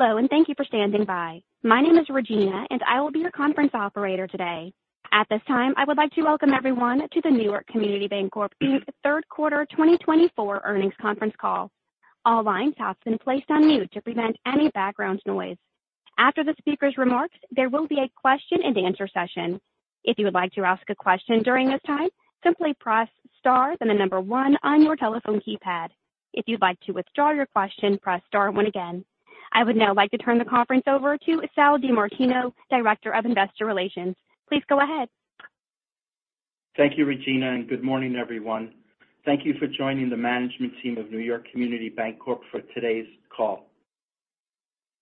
Hello, and thank you for standing by. My name is Regina, and I will be your conference operator today. At this time, I would like to welcome everyone to the New York Community Bancorp Third Quarter 2024 Earnings Conference Call. All lines have been placed on mute to prevent any background noise. After the speaker's remarks, there will be a question-and-answer session. If you would like to ask a question during this time, simply press star, then the number one on your telephone keypad. If you'd like to withdraw your question, press star one again. I would now like to turn the conference over to Sal DiMartino, Director of Investor Relations. Please go ahead. Thank you, Regina, and good morning, everyone. Thank you for joining the management team of New York Community Bancorp for today's call.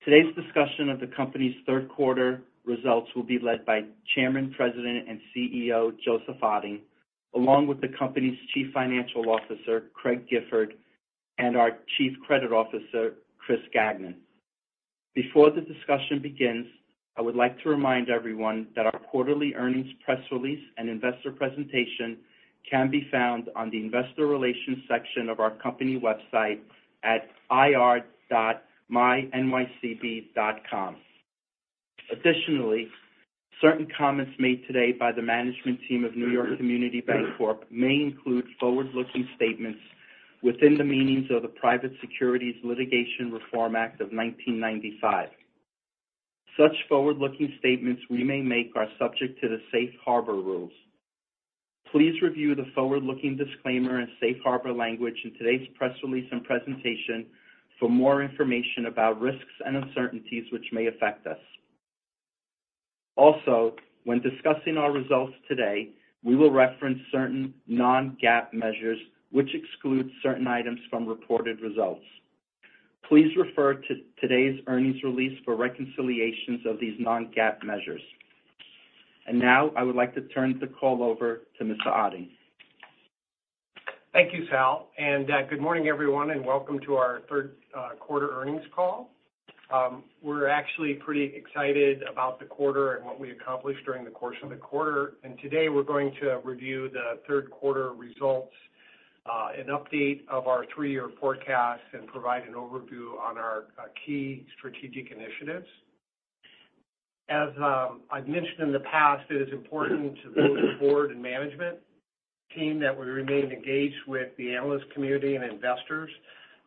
Today's discussion of the company's third quarter results will be led by Chairman, President, and CEO, Joseph Otting, along with the company's Chief Financial Officer, Craig Gifford, and our Chief Credit Officer, Kris Gagnon. Before the discussion begins, I would like to remind everyone that our quarterly earnings, press release, and investor presentation can be found on the investor relations section of our company website at ir.mynycb.com. Additionally, certain comments made today by the management team of New York Community Bancorp may include forward-looking statements within the meanings of the Private Securities Litigation Reform Act of nineteen ninety-five. Such forward-looking statements we may make are subject to the safe harbor rules. Please review the forward-looking disclaimer and safe harbor language in today's press release and presentation for more information about risks and uncertainties, which may affect us. Also, when discussing our results today, we will reference certain non-GAAP measures, which exclude certain items from reported results. Please refer to today's earnings release for reconciliations of these non-GAAP measures, and now I would like to turn the call over to Mr. Otting. Thank you, Sal, and good morning, everyone, and welcome to our third quarter earnings call. We're actually pretty excited about the quarter and what we accomplished during the course of the quarter. And today, we're going to review the third quarter results, an update of our three-year forecast, and provide an overview on our key strategic initiatives. As I've mentioned in the past, it is important to the board and management team that we remain engaged with the analyst community and investors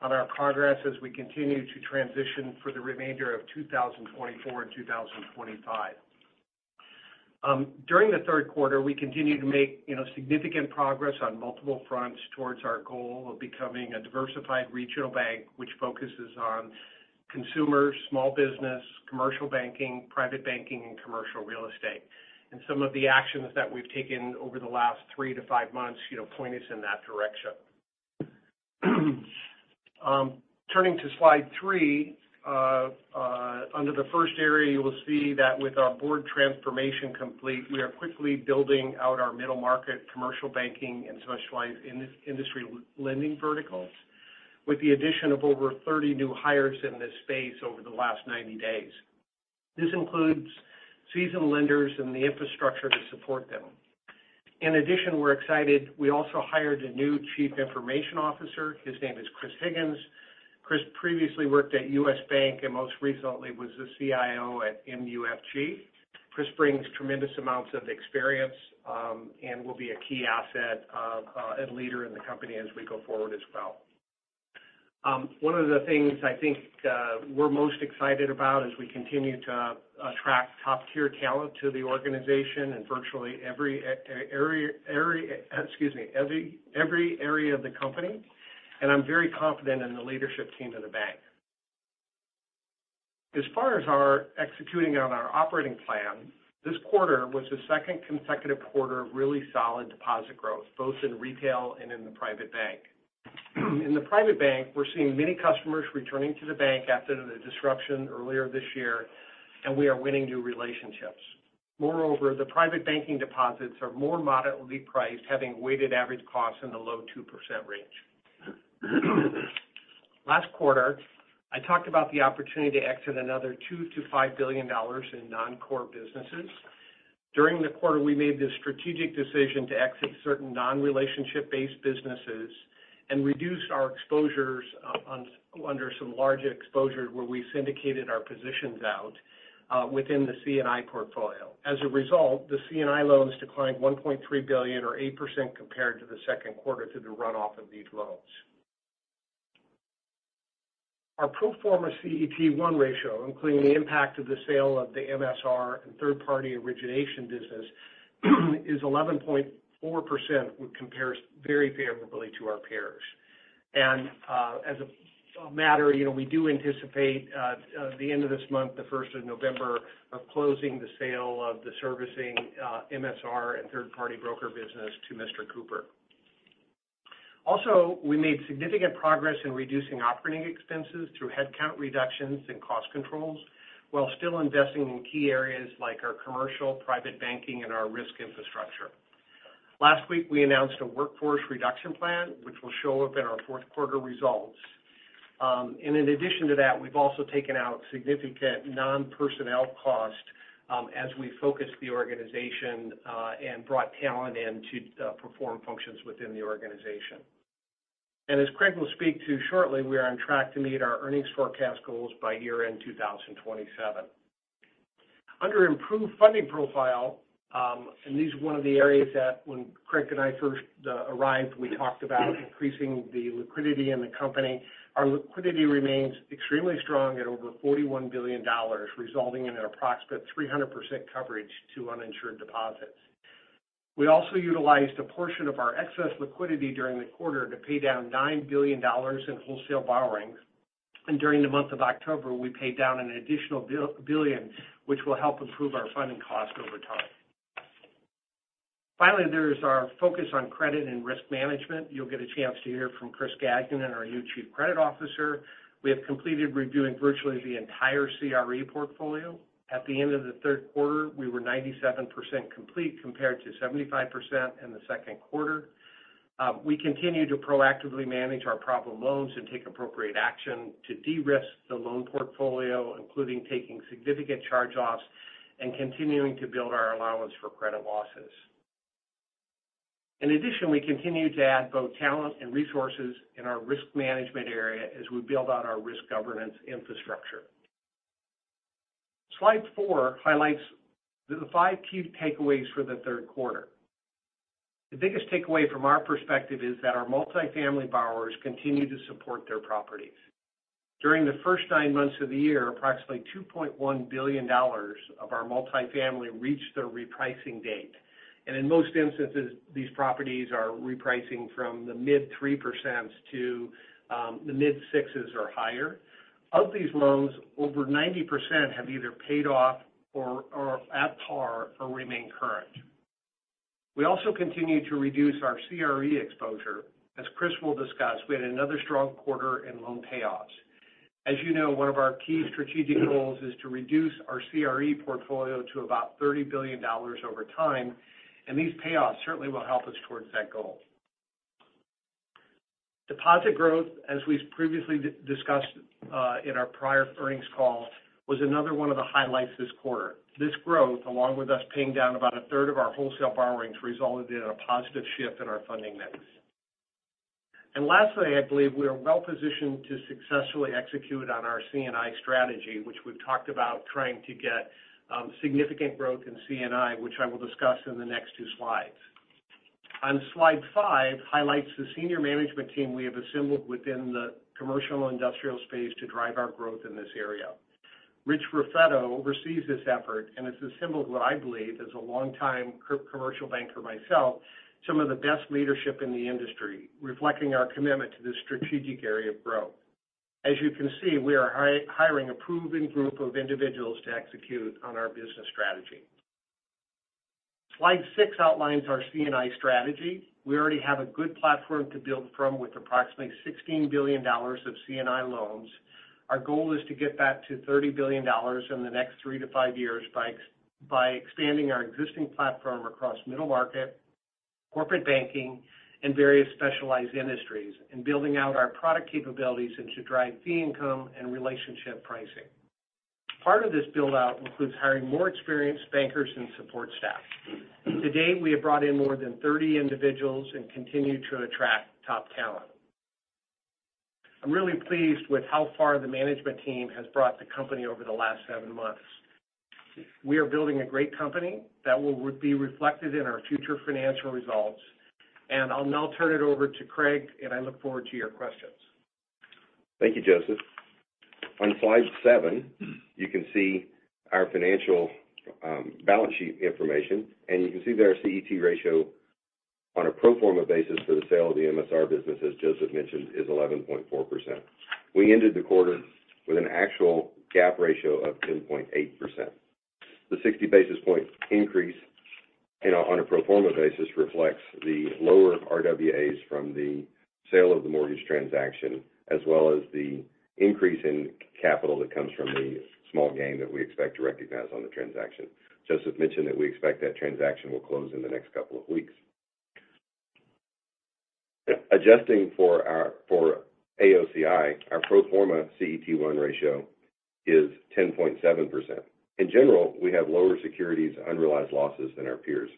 on our progress as we continue to transition for the remainder of 2024 and 2025. During the third quarter, we continued to make, you know, significant progress on multiple fronts towards our goal of becoming a diversified regional bank, which focuses on consumer, small business, commercial banking, private banking, and commercial real estate. And some of the actions that we've taken over the last three to five months, you know, point us in that direction. Turning to slide three, under the first area, you will see that with our board transformation complete, we are quickly building out our middle market, commercial banking, and specialized industry lending verticals, with the addition of over 30 new hires in this space over the last 90 days. This includes seasoned lenders and the infrastructure to support them. In addition, we're excited, we also hired a new chief information officer. His name is Kris Higgins. Kris previously worked at US Bank and most recently was the CIO at MUFG. Kris brings tremendous amounts of experience, and will be a key asset, and leader in the company as we go forward as well. One of the things I think we're most excited about is we continue to attract top-tier talent to the organization in virtually every area of the company, and I'm very confident in the leadership team in the bank. As far as our executing on our operating plan, this quarter was the second consecutive quarter of really solid deposit growth, both in retail and in the private bank. In the private bank, we're seeing many customers returning to the bank after the disruption earlier this year, and we are winning new relationships. Moreover, the private banking deposits are more moderately priced, having weighted average costs in the low 2% range. Last quarter, I talked about the opportunity to exit another $2 billion-$5 billion in non-core businesses. During the quarter, we made the strategic decision to exit certain non-relationship-based businesses and reduced our exposures under some larger exposures where we syndicated our positions out within the C&I portfolio. As a result, the C&I loans declined $1.3 billion or 8% compared to the second quarter through the runoff of these loans. Our pro forma CET1 ratio, including the impact of the sale of the MSR and third-party origination business, is 11.4%, which compares very favorably to our peers. And, as a matter, you know, we do anticipate the end of this month, the first of November, of closing the sale of the servicing, MSR and third-party broker business to Mr. Cooper. Also, we made significant progress in reducing operating expenses through headcount reductions and cost controls, while still investing in key areas like our commercial, private banking, and our risk infrastructure. Last week, we announced a workforce reduction plan, which will show up in our fourth quarter results, and in addition to that, we've also taken out significant non-personnel cost, as we focused the organization, and brought talent in to perform functions within the organization, and as Craig will speak to shortly, we are on track to meet our earnings forecast goals by year-end 2027. Under improved funding profile, and this is one of the areas that when Craig and I first arrived, we talked about increasing the liquidity in the company. Our liquidity remains extremely strong at over $41 billion, resulting in an approximate 300% coverage to uninsured deposits. We also utilized a portion of our excess liquidity during the quarter to pay down $9 billion in wholesale borrowings, and during the month of October, we paid down an additional $1 billion, which will help improve our funding cost over time. Finally, there is our focus on credit and risk management. You'll get a chance to hear from Kris Gagnon, our new Chief Credit Officer. We have completed reviewing virtually the entire CRE portfolio. At the end of the third quarter, we were 97% complete, compared to 75% in the second quarter. We continue to proactively manage our problem loans and take appropriate action to de-risk the loan portfolio, including taking significant charge-offs and continuing to build our allowance for credit losses. In addition, we continue to add both talent and resources in our risk management area as we build out our risk governance infrastructure. Slide four highlights the five key takeaways for the third quarter. The biggest takeaway from our perspective is that our multifamily borrowers continue to support their properties. During the first nine months of the year, approximately $2.1 billion of our multifamily reached their repricing date, and in most instances, these properties are repricing from the mid-3% to the mid-6% or higher. Of these loans, over 90% have either paid off or are at par or remain current. We also continue to reduce our CRE exposure. As Kris will discuss, we had another strong quarter in loan payoffs. As you know, one of our key strategic goals is to reduce our CRE portfolio to about $30 billion over time, and these payoffs certainly will help us towards that goal. Deposit growth, as we've previously discussed, in our prior earnings call, was another one of the highlights this quarter. This growth, along with us paying down about a third of our wholesale borrowings, resulted in a positive shift in our funding mix. And lastly, I believe we are well positioned to successfully execute on our C&I strategy, which we've talked about trying to get significant growth in C&I, which I will discuss in the next two slides. On slide five, highlights the senior management team we have assembled within the commercial industrial space to drive our growth in this area. Rich Raffetto oversees this effort and has assembled what I believe, as a longtime commercial banker myself, some of the best leadership in the industry, reflecting our commitment to this strategic area of growth. As you can see, we are hiring a proven group of individuals to execute on our business strategy. Slide six outlines our C&I strategy. We already have a good platform to build from, with approximately $16 billion of C&I loans. Our goal is to get that to $30 billion in the next three to five years by expanding our existing platform across middle market, corporate banking, and various specialized industries, and building out our product capabilities and to drive fee income and relationship pricing. Part of this build-out includes hiring more experienced bankers and support staff. To date, we have brought in more than thirty individuals and continue to attract top talent. I'm really pleased with how far the management team has brought the company over the last seven months. We are building a great company that will be reflected in our future financial results, and I'll now turn it over to Craig, and I look forward to your questions. Thank you, Joseph. On slide seven, you can see our financial balance sheet information, and you can see that our CET1 ratio on a pro forma basis for the sale of the MSR business, as Joseph mentioned, is 11.4%. We ended the quarter with an actual GAAP ratio of 10.8%. The 60 basis point increase, you know, on a pro forma basis, reflects the lower RWAs from the sale of the mortgage transaction, as well as the increase in capital that comes from the small gain that we expect to recognize on the transaction. Joseph mentioned that we expect that transaction will close in the next couple of weeks. Adjusting for our AOCI, our pro forma CET1 ratio is 10.7%. In general, we have lower securities unrealized losses than our peers,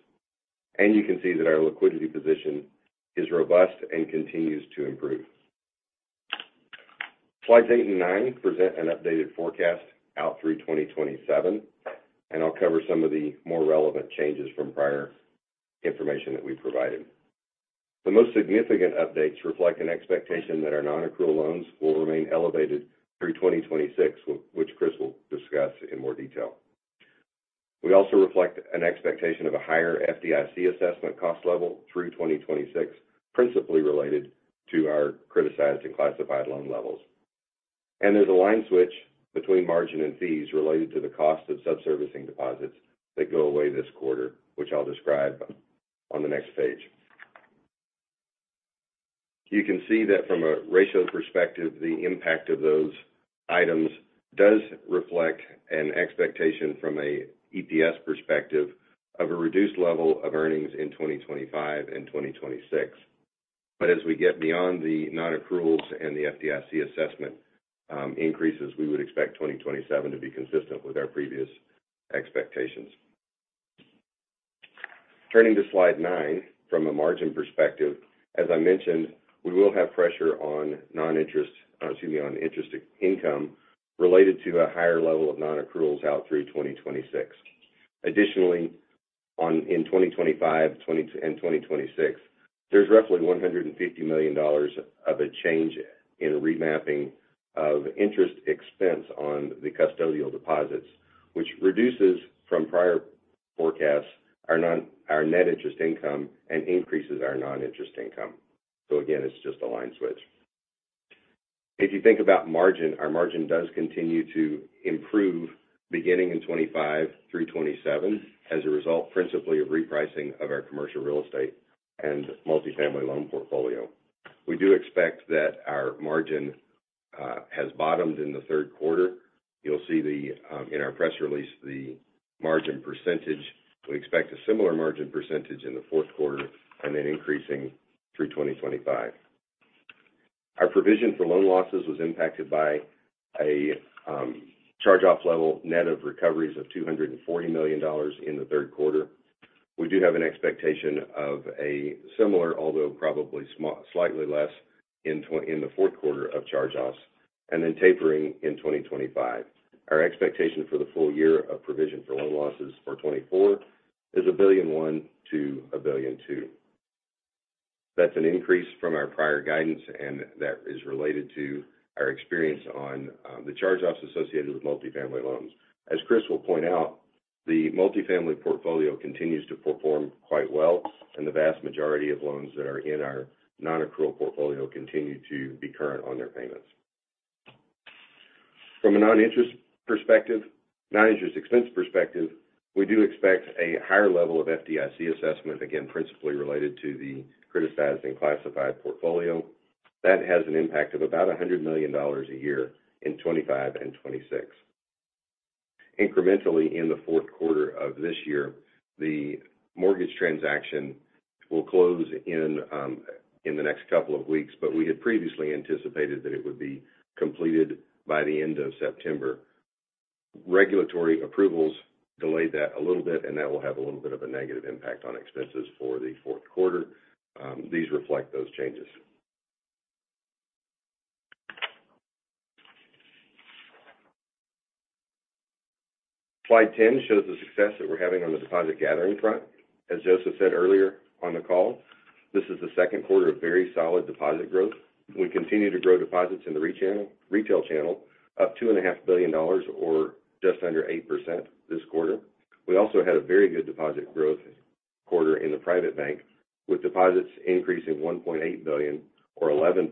and you can see that our liquidity position is robust and continues to improve. Slides eight and nine present an updated forecast out through 2027, and I'll cover some of the more relevant changes from prior information that we provided. The most significant updates reflect an expectation that our nonaccrual loans will remain elevated through 2026, which Kris will discuss in more detail. We also reflect an expectation of a higher FDIC assessment cost level through 2026, principally related to our criticized and classified loan levels. There's a line switch between margin and fees related to the cost of sub-servicing deposits that go away this quarter, which I'll describe on the next page. You can see that from a ratio perspective, the impact of those items does reflect an expectation from a EPS perspective of a reduced level of earnings in 2025 and 2026. But as we get beyond the non-accruals and the FDIC assessment increases, we would expect 2027 to be consistent with our previous expectations. Turning to slide nine, from a margin perspective, as I mentioned, we will have pressure on interest income related to a higher level of non-accruals out through 2026. Additionally, in 2025 and 2026, there's roughly $150 million of a change in remapping of interest expense on the custodial deposits, which reduces from prior forecasts, our net interest income and increases our non-interest income. So again, it's just a line switch. If you think about margin, our margin does continue to improve beginning in 2025 through 2027, as a result, principally, of repricing of our commercial real estate and multifamily loan portfolio. We do expect that our margin has bottomed in the third quarter. You'll see the in our press release, the margin percentage. We expect a similar margin percentage in the fourth quarter and then increasing through 2025. Our provision for loan losses was impacted by a charge-off level net of recoveries of $240 million in the third quarter. We do have an expectation of a similar, although probably small, slightly less in the fourth quarter of charge-offs, and then tapering in 2025. Our expectation for the full year of provision for loan losses for 2024 is $1.1 billion to $1.2 billion. That's an increase from our prior guidance, and that is related to our experience on the charge-offs associated with multifamily loans. As Kris will point out, the multifamily portfolio continues to perform quite well, and the vast majority of loans that are in our non-accrual portfolio continue to be current on their payments. From a non-interest perspective, non-interest expense perspective, we do expect a higher level of FDIC assessment, again, principally related to the criticized and classified portfolio. That has an impact of about $100 million a year in 2025 and 2026. Incrementally, in the fourth quarter of this year, the mortgage transaction will close in the next couple of weeks, but we had previously anticipated that it would be completed by the end of September. Regulatory approvals delayed that a little bit, and that will have a little bit of a negative impact on expenses for the fourth quarter. These reflect those changes. Slide 10 shows the success that we're having on the deposit gathering front. As Joseph said earlier on the call, this is the second quarter of very solid deposit growth. We continue to grow deposits in the retail channel, up $2.5 billion or just under 8% this quarter. We also had a very good deposit growth quarter in the private bank, with deposits increasing $1.8 billion or 11%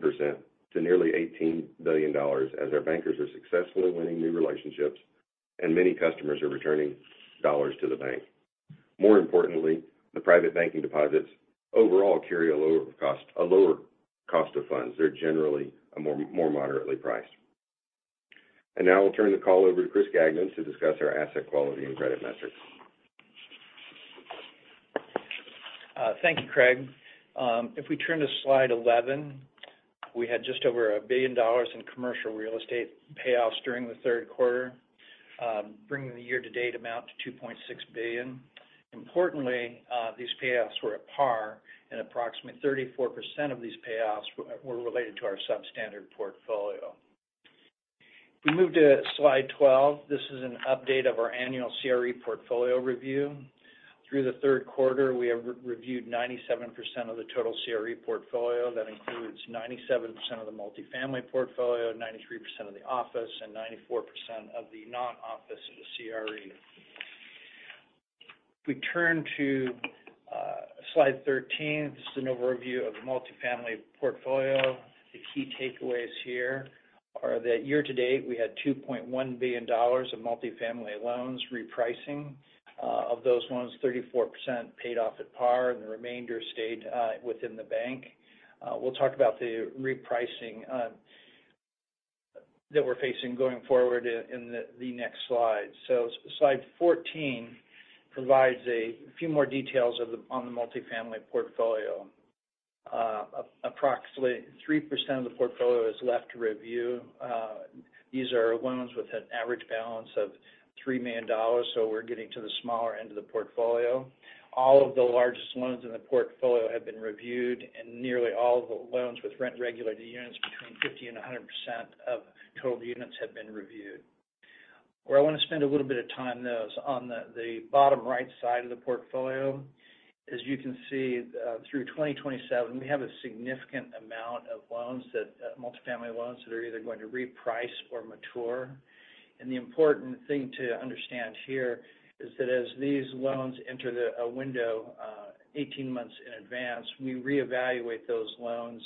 to nearly $18 billion, as our bankers are successfully winning new relationships and many customers are returning dollars to the bank. More importantly, the private banking deposits overall carry a lower cost, a lower cost of funds. They're generally a more moderately priced. And now I'll turn the call over to Kris Gagnon to discuss our asset quality and credit metrics. Thank you, Craig. If we turn to slide 11, we had just over $1 billion in commercial real estate payoffs during the third quarter, bringing the year-to-date amount to $2.6 billion. Importantly, these payoffs were at par, and approximately 34% of these payoffs were related to our substandard portfolio. If we move to slide 12, this is an update of our annual CRE portfolio review. Through the third quarter, we have reviewed 97% of the total CRE portfolio. That includes 97% of the multifamily portfolio, 93% of the office, and 94% of the non-office of the CRE. If we turn to slide 13, this is an overview of the multifamily portfolio. The key takeaways here are that year to date, we had $2.1 billion of multifamily loans repricing. Of those loans, 34% paid off at par, and the remainder stayed within the bank. We'll talk about the repricing that we're facing going forward in the next slide. So slide 14 provides a few more details on the multifamily portfolio. Approximately 3% of the portfolio is left to review. These are loans with an average balance of $3 million, so we're getting to the smaller end of the portfolio. All of the largest loans in the portfolio have been reviewed, and nearly all the loans with rent-regulated units between 50% and 100% of total units have been reviewed. Where I want to spend a little bit of time, though, is on the bottom right side of the portfolio. As you can see, through 2027, we have a significant amount of loans that, multifamily loans that are either going to reprice or mature. And the important thing to understand here is that as these loans enter a window, 18 months in advance, we reevaluate those loans,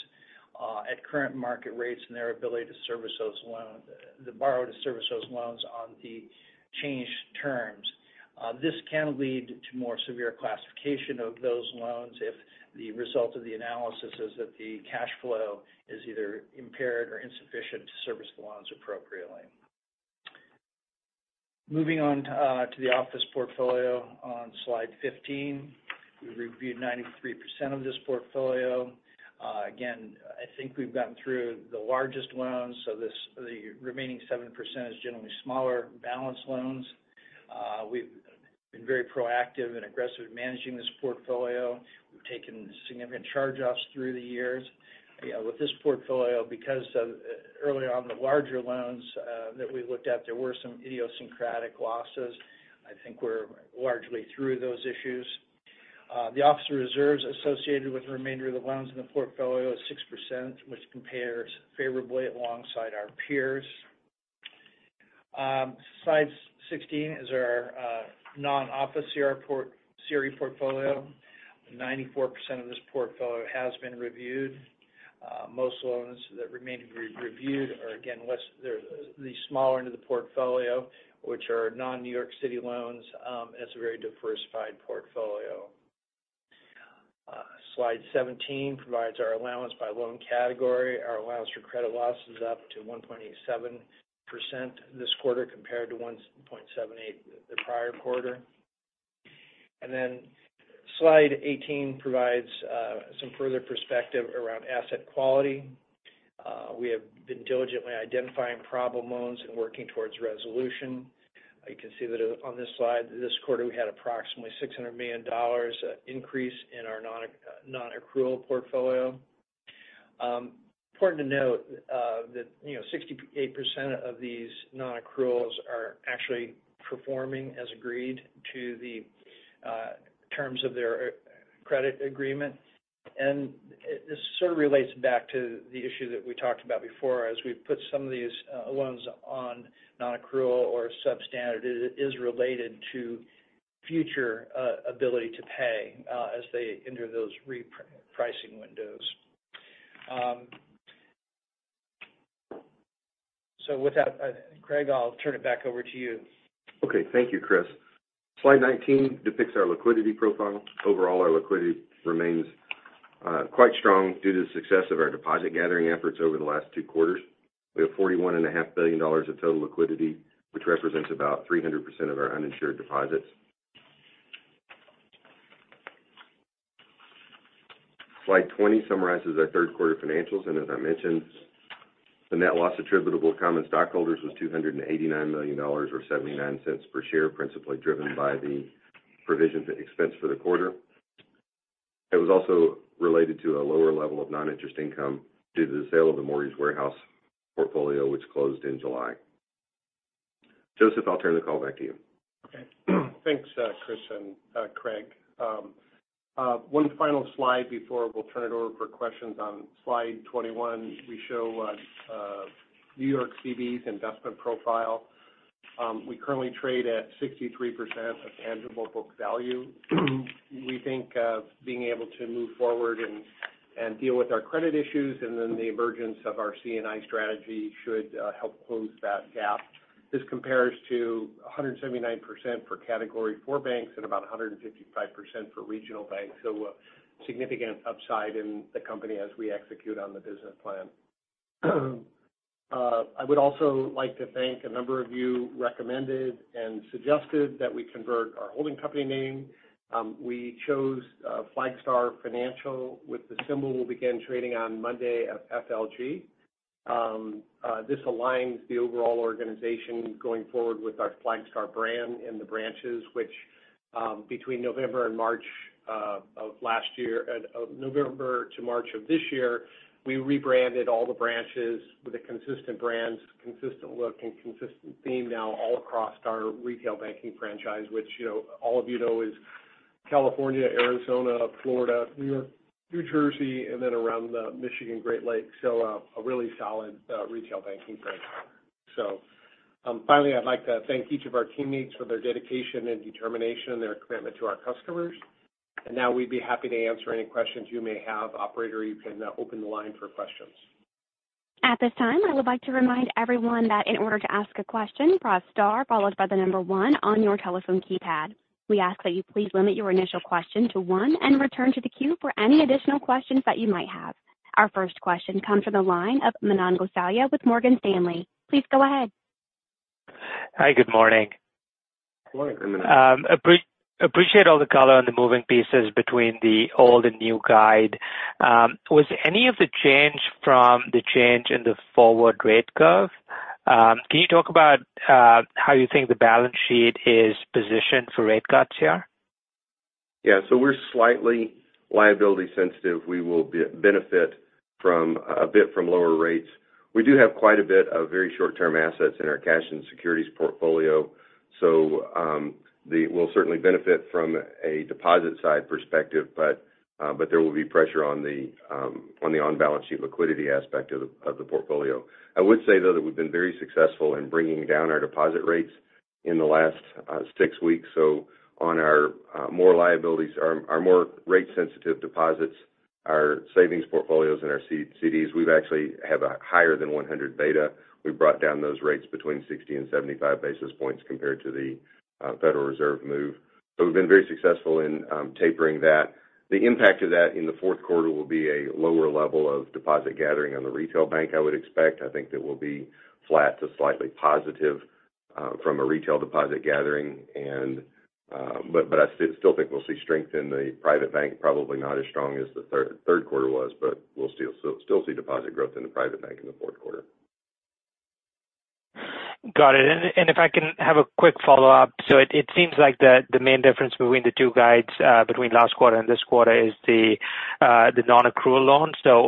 at current market rates and their ability to service those loans, the borrower to service those loans on the changed terms. This can lead to more severe classification of those loans if the result of the analysis is that the cash flow is either impaired or insufficient to service the loans appropriately. Moving on, to the office portfolio on slide 15. We reviewed 93% of this portfolio.... Again, I think we've gotten through the largest loans, so this, the remaining 7% is generally smaller balance loans. We've been very proactive and aggressive in managing this portfolio. We've taken significant charge-offs through the years. With this portfolio, because of early on, the larger loans that we looked at, there were some idiosyncratic losses. I think we're largely through those issues. The officer reserves associated with the remainder of the loans in the portfolio is 6%, which compares favorably alongside our peers. Slide 16 is our non-office CRE portfolio. 94% of this portfolio has been reviewed. Most loans that remain re-reviewed are, again, they're the smaller end of the portfolio, which are non-New York City loans, and it's a very diversified portfolio. Slide 17 provides our allowance by loan category. Our allowance for credit loss is up to 1.87% this quarter, compared to 1.78% the prior quarter. And then slide 18 provides some further perspective around asset quality. We have been diligently identifying problem loans and working towards resolution. You can see that on this slide, this quarter, we had approximately $600 million increase in our non-accrual portfolio. Important to note that, you know, 68% of these non-accruals are actually performing as agreed to the terms of their credit agreement. And this sort of relates back to the issue that we talked about before. As we put some of these loans on non-accrual or substandard, it is related to future ability to pay as they enter those re-pricing windows. So with that, Craig, I'll turn it back over to you. Okay, thank you, Kris. Slide 19 depicts our liquidity profile. Overall, our liquidity remains quite strong due to the success of our deposit gathering efforts over the last two quarters. We have $41.5 billion of total liquidity, which represents about 300% of our uninsured deposits. Slide 20 summarizes our third quarter financials, and as I mentioned, the net loss attributable to common stockholders was $289 million, or $0.79 per share, principally driven by the provision expense for the quarter. It was also related to a lower level of non-interest income due to the sale of the mortgage warehouse portfolio, which closed in July. Joseph, I'll turn the call back to you. Okay. Thanks, Kris and, Craig. One final slide before we'll turn it over for questions. On slide 21, we show, NYCB's investment profile. We currently trade at 63% of tangible book value. We think of being able to move forward and deal with our credit issues, and then the emergence of our C&I strategy should help close that gap. This compares to 179% for Category IV banks and about 155% for regional banks. So a significant upside in the company as we execute on the business plan. I would also like to thank a number of you, recommended and suggested that we convert our holding company name. We chose, Flagstar Financial, with the symbol we'll begin trading on Monday at FLG. This aligns the overall organization going forward with our Flagstar brand and the branches, which, between November and March of this year, we rebranded all the branches with a consistent brand, consistent look, and consistent theme now all across our retail banking franchise, which, you know, all of you know is California, Arizona, Florida, New York, New Jersey, and then around the Michigan Great Lakes. A really solid retail banking franchise. Finally, I'd like to thank each of our teammates for their dedication and determination and their commitment to our customers. Now we'd be happy to answer any questions you may have. Operator, you can open the line for questions. At this time, I would like to remind everyone that in order to ask a question, press star, followed by the number one on your telephone keypad. We ask that you please limit your initial question to one and return to the queue for any additional questions that you might have. Our first question comes from the line of Manan Gosalia with Morgan Stanley. Please go ahead. Hi, good morning. Good morning, Manan. Appreciate all the color on the moving pieces between the old and new guide. Was any of the change from the change in the forward rate curve? Can you talk about how you think the balance sheet is positioned for rate cuts here? Yeah, so we're slightly liability sensitive. We will benefit from a bit from lower rates. We do have quite a bit of very short-term assets in our cash and securities portfolio, so we'll certainly benefit from a deposit side perspective, but there will be pressure on the on-balance sheet liquidity aspect of the portfolio. I would say, though, that we've been very successful in bringing down our deposit rates in the last six weeks. So on our more liabilities, our more rate-sensitive deposits, our savings portfolios and our CDs, we've actually have a higher than 100 beta. We brought down those rates between 60 and 75 basis points compared to the Federal Reserve move. So we've been very successful in tapering that. The impact of that in the fourth quarter will be a lower level of deposit gathering on the retail bank, I would expect. I think that we'll be flat to slightly positive from a retail deposit gathering, and but I still think we'll see strength in the private bank, probably not as strong as the third quarter was, but we'll still see deposit growth in the private bank in the fourth quarter. Got it. And if I can have a quick follow-up. So it seems like the main difference between the two guides between last quarter and this quarter is the nonaccrual loans. So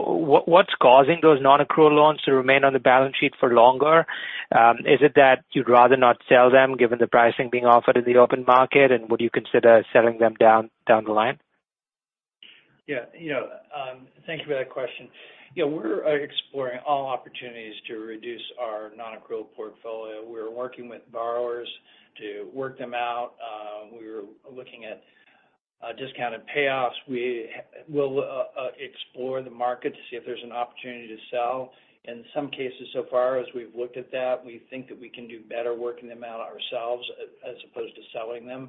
what's causing those nonaccrual loans to remain on the balance sheet for longer? Is it that you'd rather not sell them, given the pricing being offered in the open market? And would you consider selling them down the line? Yeah, you know, thank you for that question. Yeah, we're exploring all opportunities to reduce our non-accrual portfolio. We're working with borrowers to work them out. We're looking at discounted payoffs. We'll explore the market to see if there's an opportunity to sell. In some cases, so far, as we've looked at that, we think that we can do better working them out ourselves, as opposed to selling them.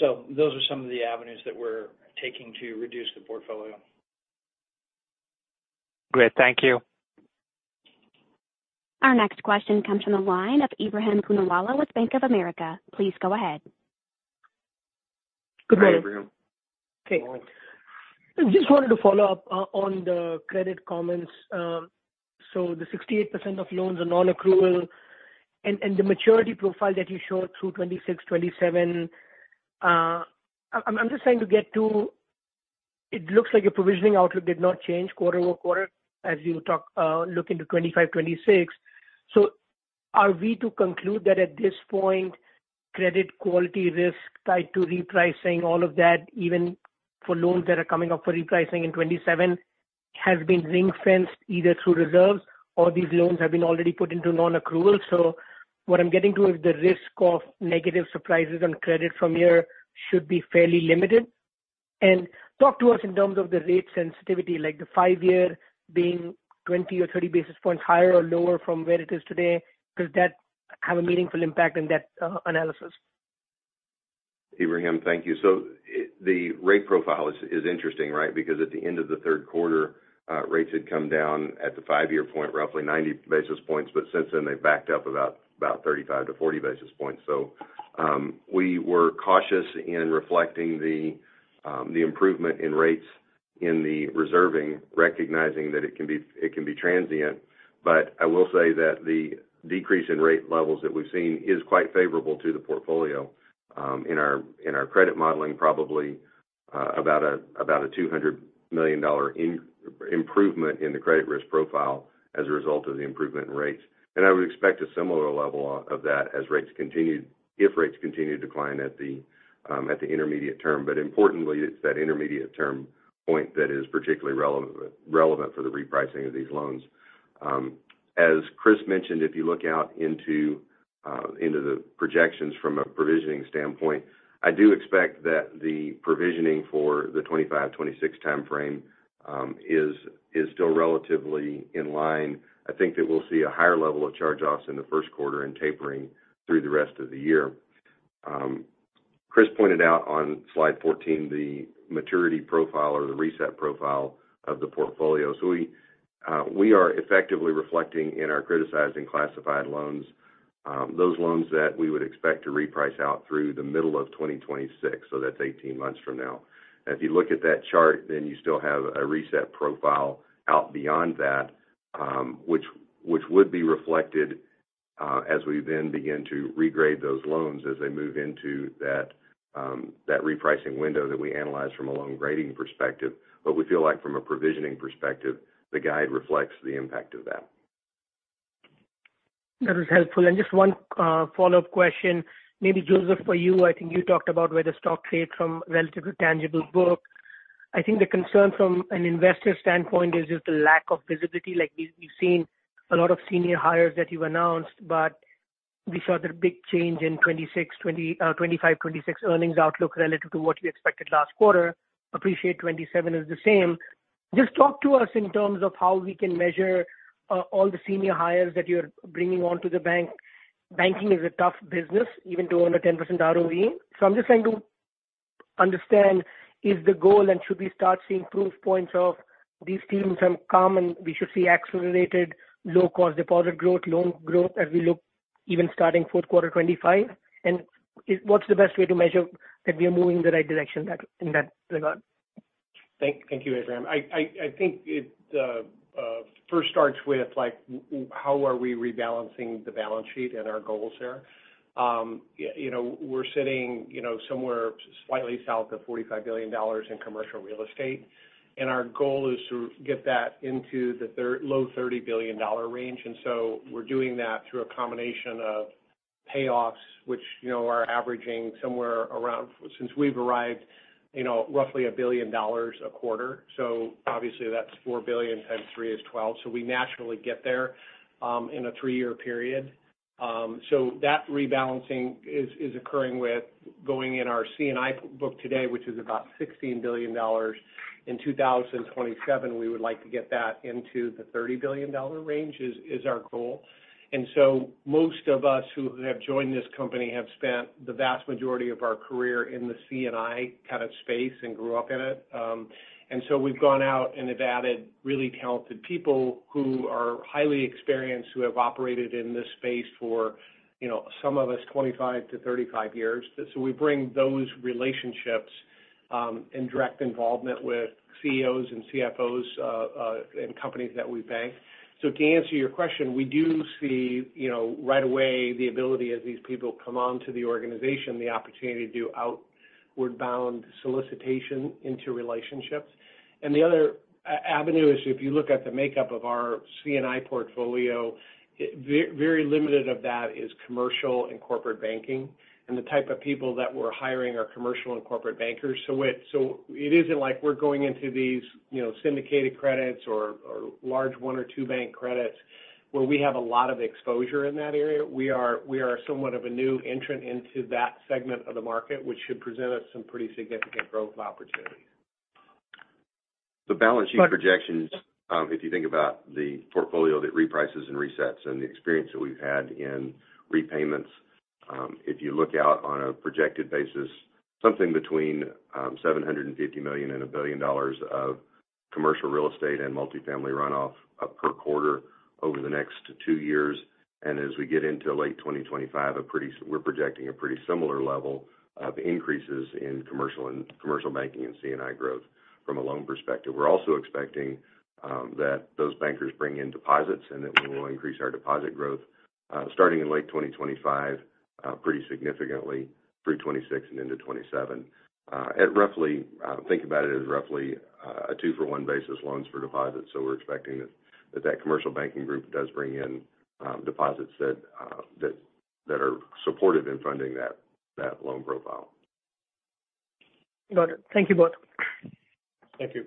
So those are some of the avenues that we're taking to reduce the portfolio. Great, thank you. Our next question comes from the line of Ebrahim Poonawala with Bank of America. Please go ahead. Good morning. Okay. I just wanted to follow up on the credit comments. So the 68% of loans are non-accrual, and the maturity profile that you showed through 2026, 2027, I'm just trying to get to. It looks like your provisioning outlook did not change quarter over quarter as you look into 2025, 2026. So are we to conclude that at this point, credit quality risk tied to repricing, all of that, even for loans that are coming up for repricing in 2027, has been ring-fenced either through reserves or these loans have been already put into non-accrual? So what I'm getting to is the risk of negative surprises on credit from here should be fairly limited. Talk to us in terms of the rate sensitivity, like the five year being 20 or 30 basis points higher or lower from where it is today. Does that have a meaningful impact in that analysis? Ibrahim, thank you. So the rate profile is interesting, right? Because at the end of the third quarter, rates had come down at the five-year point, roughly 90 basis points, but since then, they've backed up about 35-40 basis points. So we were cautious in reflecting the improvement in rates in the reserving, recognizing that it can be transient. But I will say that the decrease in rate levels that we've seen is quite favorable to the portfolio, in our credit modeling, probably about a $200 million improvement in the credit risk profile as a result of the improvement in rates. And I would expect a similar level of that as rates continue if rates continue to decline at the intermediate term. But importantly, it's that intermediate term point that is particularly relevant for the repricing of these loans. As Kris mentioned, if you look out into the projections from a provisioning standpoint, I do expect that the provisioning for the 2025, 2026 time frame is still relatively in line. I think that we'll see a higher level of charge-offs in the first quarter and tapering through the rest of the year. Kris pointed out on slide 14, the maturity profile or the reset profile of the portfolio. So we are effectively reflecting in our criticized and classified loans those loans that we would expect to reprice out through the middle of 2026, so that's eighteen months from now. And if you look at that chart, then you still have a reset profile out beyond that, which would be reflected, as we then begin to regrade those loans as they move into that repricing window that we analyze from a loan grading perspective. But we feel like from a provisioning perspective, the guide reflects the impact of that. That is helpful. And just one follow-up question, maybe, Joseph, for you. I think you talked about where the stock trades from relative to tangible book. I think the concern from an investor standpoint is just the lack of visibility. Like, we've seen a lot of senior hires that you've announced, but we saw the big change in 2025, 2026 earnings outlook relative to what we expected last quarter. Appreciate 2027 is the same. Just talk to us in terms of how we can measure all the senior hires that you're bringing onto the bank. Banking is a tough business, even to own a 10% ROE. So I'm just trying to understand, is the goal and should we start seeing proof points of these teams have come, and we should see accelerated low-cost deposit growth, loan growth as we look even starting fourth quarter 2025? And what's the best way to measure that we are moving in the right direction in that, in that regard? Thank you, Ibrahim. I think it first starts with, like, how are we rebalancing the balance sheet and our goals there? You know, we're sitting, you know, somewhere slightly south of $45 billion in commercial real estate, and our goal is to get that into the low $30 billion range. And so we're doing that through a combination of payoffs, which, you know, are averaging somewhere around, since we've arrived, you know, roughly $1 billion a quarter. So obviously, that's $4 billion times three is $12 billion. So we naturally get there in a three-year period. So that rebalancing is occurring with going in our C&I book today, which is about $16 billion. In 2027, we would like to get that into the $30 billion range, is our goal. And so most of us who have joined this company have spent the vast majority of our career in the C&I kind of space and grew up in it. And so we've gone out and have added really talented people who are highly experienced, who have operated in this space for, you know, some of us, 25-35 years. So we bring those relationships, and direct involvement with CEOs and CFOs, and companies that we bank. So to answer your question, we do see, you know, right away, the ability as these people come on to the organization, the opportunity to do outward bound solicitation into relationships. And the other avenue is, if you look at the makeup of our C&I portfolio, it's very limited of that is commercial and corporate banking, and the type of people that we're hiring are commercial and corporate bankers. So it isn't like we're going into these, you know, syndicated credits or large one or two bank credits where we have a lot of exposure in that area. We are somewhat of a new entrant into that segment of the market, which should present us some pretty significant growth opportunities. The balance sheet projections, if you think about the portfolio that reprices and resets and the experience that we've had in repayments, if you look out on a projected basis, something between $750 million and $1 billion of commercial real estate and multifamily runoff per quarter over the next two years, and as we get into late 2025, a pretty. We're projecting a pretty similar level of increases in commercial banking and C&I growth from a loan perspective. We're also expecting that those bankers bring in deposits and that we will increase our deposit growth, starting in late 2025, pretty significantly through 2026 and into 2027. At roughly, think about it as roughly, a two for one basis, loans for deposits. We're expecting that commercial banking group does bring in deposits that are supportive in funding that loan profile. Got it. Thank you both. Thank you.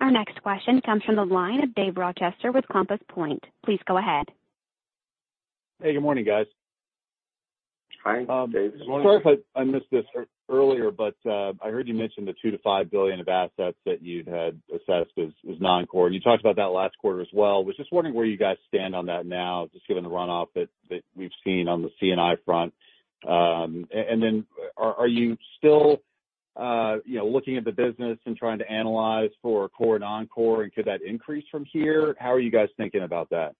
Our next question comes from the line of Dave Rochester with Compass Point. Please go ahead. Hey, good morning, guys. Hi, Dave. Good morning. Sorry if I missed this earlier, but I heard you mention the 2-5 billion of assets that you'd had assessed as noncore. You talked about that last quarter as well. Was just wondering where you guys stand on that now, just given the runoff that we've seen on the C&I front. And then are you still you know looking at the business and trying to analyze for core and noncore, and could that increase from here? How are you guys thinking about that?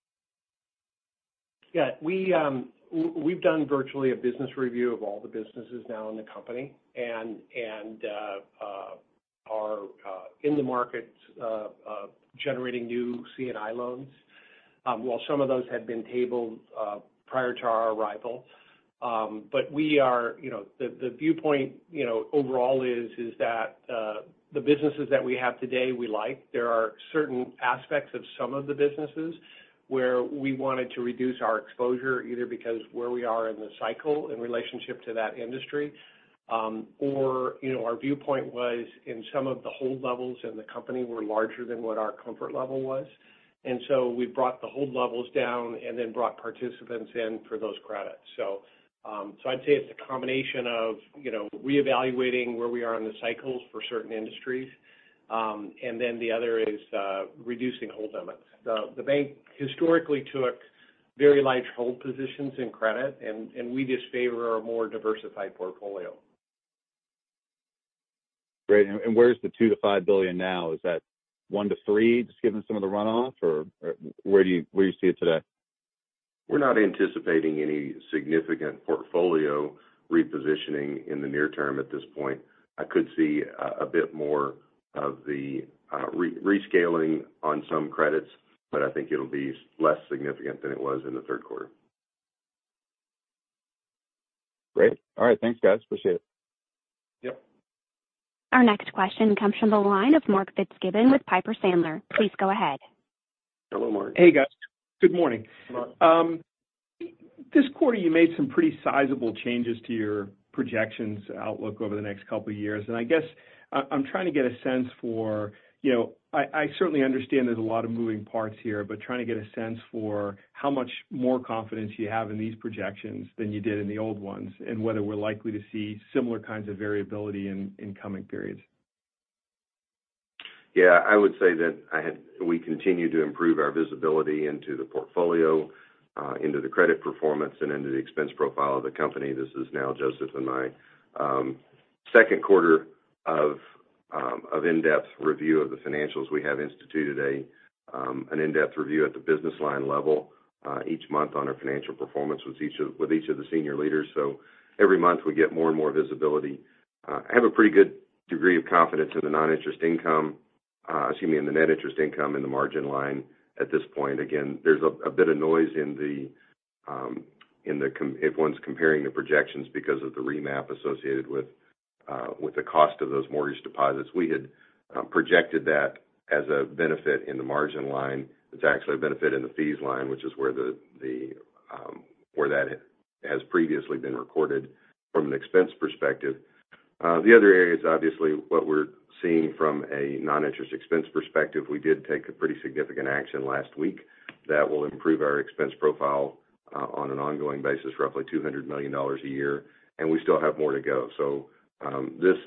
Yeah, we, we've done virtually a business review of all the businesses now in the company and are in the markets generating new C&I loans, while some of those had been tabled prior to our arrival. But we are, you know, the viewpoint, you know, overall is that the businesses that we have today, we like. There are certain aspects of some of the businesses where we wanted to reduce our exposure, either because where we are in the cycle in relationship to that industry, or, you know, our viewpoint was in some of the hold levels, and the company were larger than what our comfort level was. And so we brought the hold levels down and then brought participants in for those credits. So, I'd say it's a combination of, you know, reevaluating where we are in the cycles for certain industries, and then the other is, reducing hold limits. The bank historically took very large hold positions in credit, and we just favor a more diversified portfolio. Great. And where's the $2 billion-$5 billion now? Is that $1 billion-$3 billion, just given some of the runoff, or where do you see it today? We're not anticipating any significant portfolio repositioning in the near term at this point. I could see a bit more of the rescaling on some credits, but I think it'll be less significant than it was in the third quarter. Great. All right. Thanks, guys. Appreciate it. Yep. Our next question comes from the line of Mark Fitzgibbon with Piper Sandler. Please go ahead. Hello, Mark. Hey, guys. Good morning. Good morning. This quarter, you made some pretty sizable changes to your projections outlook over the next couple of years, and I guess I'm trying to get a sense for... You know, I certainly understand there's a lot of moving parts here, but trying to get a sense for how much more confidence you have in these projections than you did in the old ones, and whether we're likely to see similar kinds of variability in coming periods. Yeah, I would say that we continue to improve our visibility into the portfolio, into the credit performance, and into the expense profile of the company. This is now Joseph and my second quarter of in-depth review of the financials. We have instituted an in-depth review at the business line level each month on our financial performance with each of the senior leaders. So every month, we get more and more visibility. I have a pretty good degree of confidence in the non-interest income, excuse me, in the net interest income and the margin line at this point. Again, there's a bit of noise in the com- if one's comparing the projections because of the remap associated with the cost of those mortgage deposits. We had projected that as a benefit in the margin line. It's actually a benefit in the fees line, which is where that has previously been recorded from an expense perspective.... The other area is obviously what we're seeing from a non-interest expense perspective. We did take a pretty significant action last week that will improve our expense profile on an ongoing basis, roughly $200 million a year, and we still have more to go. This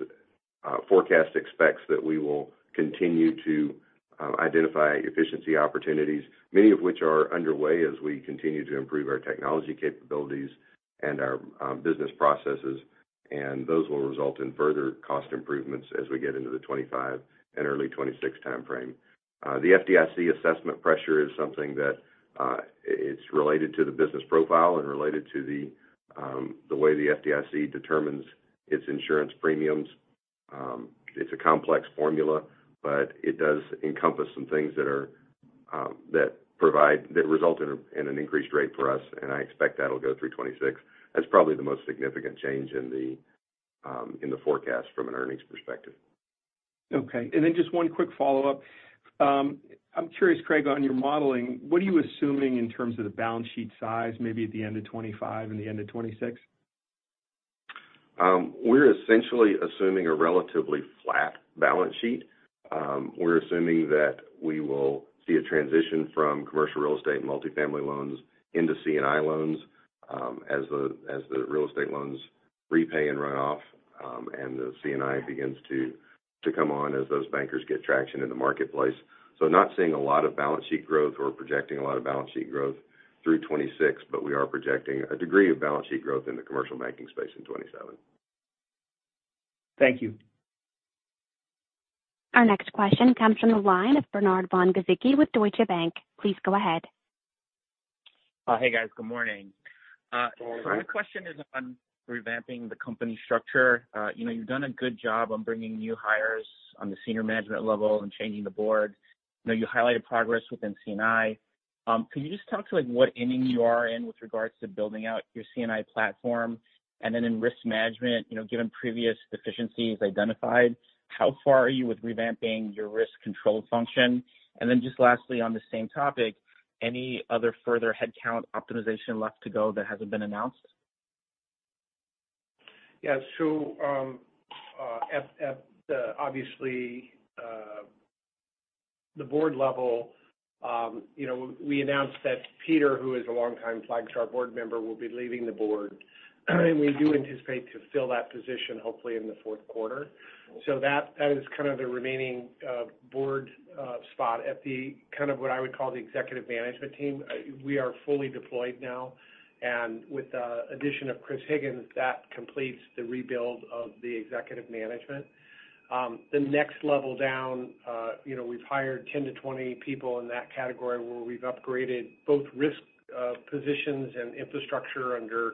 forecast expects that we will continue to identify efficiency opportunities, many of which are underway as we continue to improve our technology capabilities and our business processes. Those will result in further cost improvements as we get into the 2025 and early 2026 time frame. The FDIC assessment pressure is something that it's related to the business profile and related to the way the FDIC determines its insurance premiums. It's a complex formula, but it does encompass some things that result in an increased rate for us, and I expect that'll go through 2026. That's probably the most significant change in the forecast from an earnings perspective. Okay. And then just one quick follow-up. I'm curious, Craig, on your modeling, what are you assuming in terms of the balance sheet size, maybe at the end of 2025 and the end of 2026? We're essentially assuming a relatively flat balance sheet. We're assuming that we will see a transition from commercial real estate and multifamily loans into C&I loans, as the real estate loans repay and run off, and the C&I begins to come on as those bankers get traction in the marketplace. So not seeing a lot of balance sheet growth or projecting a lot of balance sheet growth through 2026, but we are projecting a degree of balance sheet growth in the commercial banking space in 2027. Thank you. Our next question comes from the line of Bernard Von Gizycki with Deutsche Bank. Please go ahead. Hey, guys. Good morning. Good morning. So my question is on revamping the company structure. You know, you've done a good job on bringing new hires on the senior management level and changing the board. You know, you highlighted progress within C&I. Can you just talk to, like, what inning you are in with regards to building out your C&I platform? And then in risk management, you know, given previous deficiencies identified, how far are you with revamping your risk control function? And then just lastly, on the same topic, any other further headcount optimization left to go that hasn't been announced? Yes. So, obviously, at the board level, you know, we announced that Peter, who is a longtime Flagstar board member, will be leaving the board, and we do anticipate to fill that position, hopefully in the fourth quarter. So that is kind of the remaining board spot. At the kind of what I would call the executive management team, we are fully deployed now, and with the addition of Chris Higgins, that completes the rebuild of the executive management. The next level down, you know, we've hired 10 to 20 people in that category, where we've upgraded both risk positions and infrastructure under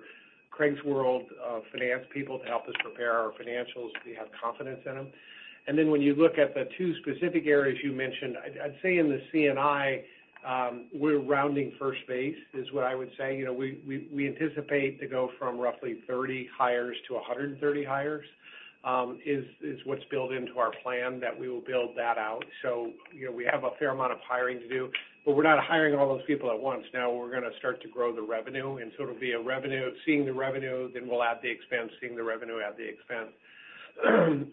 Craig's world of finance people to help us prepare our financials. We have confidence in them. And then when you look at the two specific areas you mentioned, I'd say in the C&I, we're rounding first base, is what I would say. You know, we anticipate to go from roughly 30 hires to 130 hires, is what's built into our plan that we will build that out. You know, we have a fair amount of hiring to do, but we're not hiring all those people at once. Now, we're going to start to grow the revenue, and so it'll be a revenue seeing the revenue, then we'll add the expense, seeing the revenue, add the expense.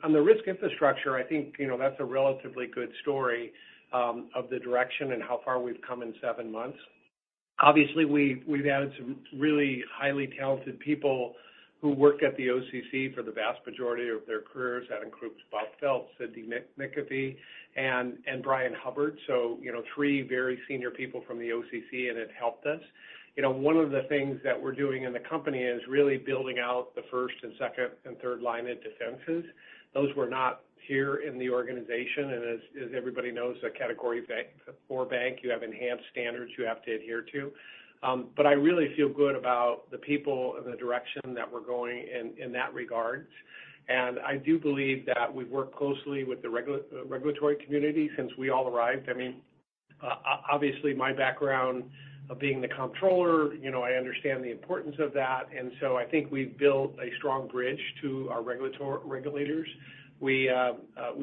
On the risk infrastructure, I think, you know, that's a relatively good story of the direction and how far we've come in seven months. Obviously, we've added some really highly talented people who worked at the OCC for the vast majority of their careers. That includes Bob Phelps, Sydney Menefee, and Brian Hubbard. So, you know, three very senior people from the OCC, and it helped us. You know, one of the things that we're doing in the company is really building out the first and second and third line of defenses. Those were not here in the organization, and as everybody knows, a Category Four bank, you have enhanced standards you have to adhere to, but I really feel good about the people and the direction that we're going in, in that regard, and I do believe that we've worked closely with the regulatory community since we all arrived. I mean, obviously, my background of being the comptroller, you know, I understand the importance of that, and so I think we've built a strong bridge to our regulators. We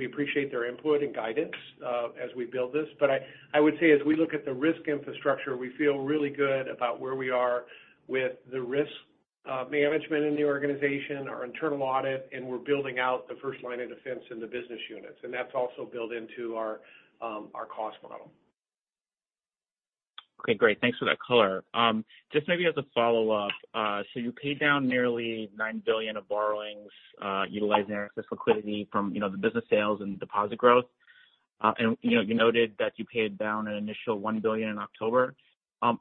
appreciate their input and guidance as we build this. But I would say as we look at the risk infrastructure, we feel really good about where we are with the risk management in the organization, our internal audit, and we're building out the first line of defense in the business units, and that's also built into our cost model. Okay, great. Thanks for that color. Just maybe as a follow-up, so you paid down nearly $9 billion of borrowings, utilizing excess liquidity from, you know, the business sales and deposit growth. You know, you noted that you paid down an initial $1 billion in October.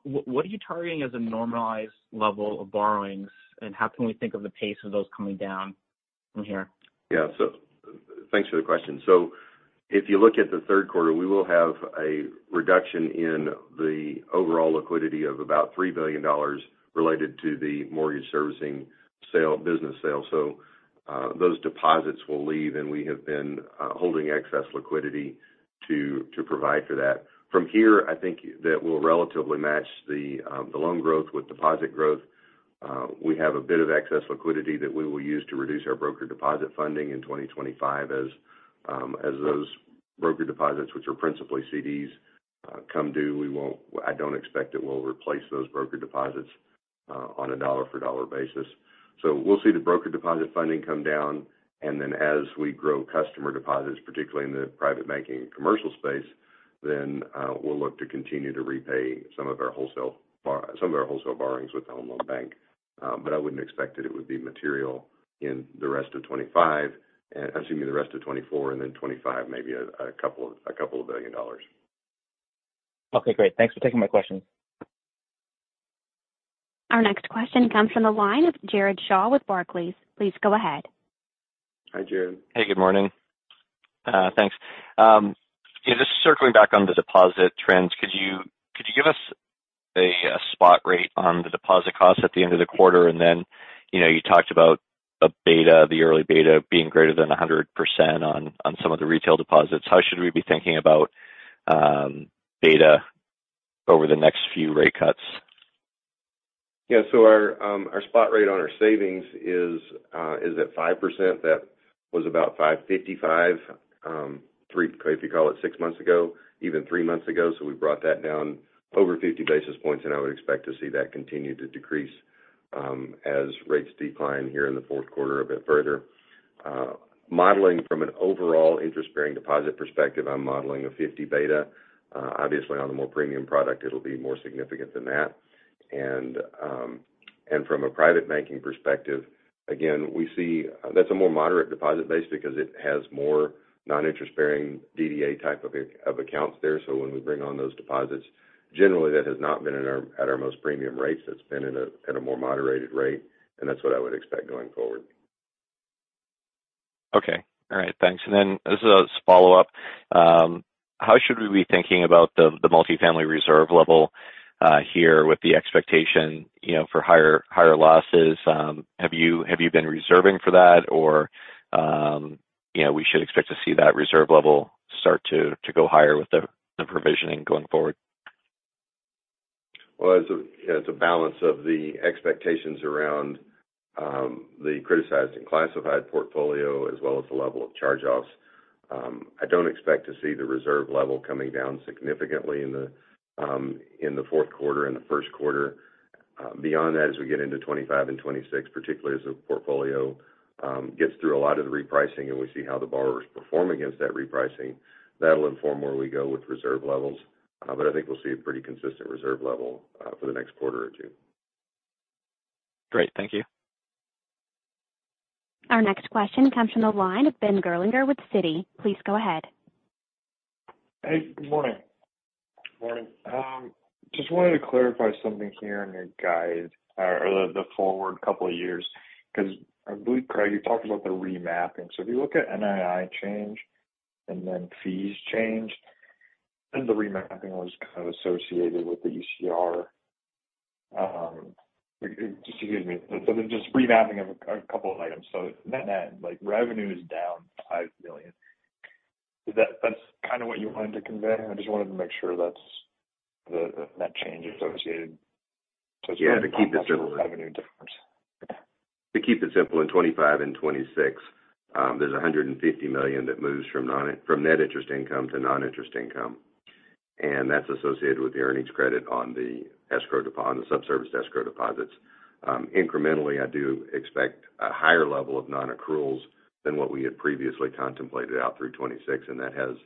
What are you targeting as a normalized level of borrowings, and how can we think of the pace of those coming down from here? Yeah, so thanks for the question. So if you look at the third quarter, we will have a reduction in the overall liquidity of about $3 billion related to the mortgage servicing sale, business sale. So, those deposits will leave, and we have been holding excess liquidity to provide for that. From here, I think that we'll relatively match the loan growth with deposit growth. We have a bit of excess liquidity that we will use to reduce our broker deposit funding in 2025 as those broker deposits, which are principally CDs-... come due, I don't expect it will replace those broker deposits, on a dollar for dollar basis. So we'll see the broker deposit funding come down, and then as we grow customer deposits, particularly in the private banking and commercial space, then, we'll look to continue to repay some of our wholesale borrowings with the Home Loan Bank. But I wouldn't expect that it would be material in the rest of 2025, and, excuse me, the rest of 2024, and then 2025, maybe a couple of billion dollars. Okay, great. Thanks for taking my question. Our next question comes from the line of Jared Shaw with Barclays. Please go ahead. Hi, Jared. Hey, good morning. Thanks. Yeah, just circling back on the deposit trends, could you give us a spot rate on the deposit costs at the end of the quarter? And then, you know, you talked about a beta, the early beta being greater than 100% on some of the retail deposits. How should we be thinking about beta over the next few rate cuts? Yeah, so our spot rate on our savings is at 5%. That was about 5.55%, if you call it six months ago, even three months ago. So we brought that down over 50 basis points, and I would expect to see that continue to decrease as rates decline here in the fourth quarter a bit further. Modeling from an overall interest-bearing deposit perspective, I'm modeling a 50 beta. Obviously, on the more premium product, it'll be more significant than that. And from a private banking perspective, again, we see... That's a more moderate deposit base because it has more non-interest-bearing DDA type of accounts there. So when we bring on those deposits, generally, that has not been at our most premium rates. It's been at a more moderated rate, and that's what I would expect going forward. Okay, all right. Thanks. And then as a follow-up, how should we be thinking about the multifamily reserve level here with the expectation, you know, for higher, higher losses? Have you been reserving for that? Or, you know, we should expect to see that reserve level start to go higher with the provisioning going forward? As a balance of the expectations around the criticized and classified portfolio, as well as the level of charge-offs, I don't expect to see the reserve level coming down significantly in the fourth quarter and the first quarter. Beyond that, as we get into 2025 and 2026, particularly as the portfolio gets through a lot of the repricing and we see how the borrowers perform against that repricing, that'll inform where we go with reserve levels. But I think we'll see a pretty consistent reserve level for the next quarter or two. Great. Thank you. Our next question comes from the line of Ben Gerlinger with Citi. Please go ahead. Hey, good morning. Morning. Just wanted to clarify something here in your guide, or the forward couple of years, because I believe, Craig, you talked about the remapping. So if you look at NII change and then fees change, and the remapping was kind of associated with the ECR, so the just remapping of a couple of items. So net revenue is down $5 billion. Is that that's kind of what you wanted to convey? I just wanted to make sure that's the change associated. Yeah, to keep it simple- Revenue difference. To keep it simple, in 2025 and 2026, there's $150 million that moves from net interest income to non-interest income, and that's associated with the earnings credit on the escrow deposits on the subservicing escrow deposits. Incrementally, I do expect a higher level of nonaccruals than what we had previously contemplated out through 2026, and that has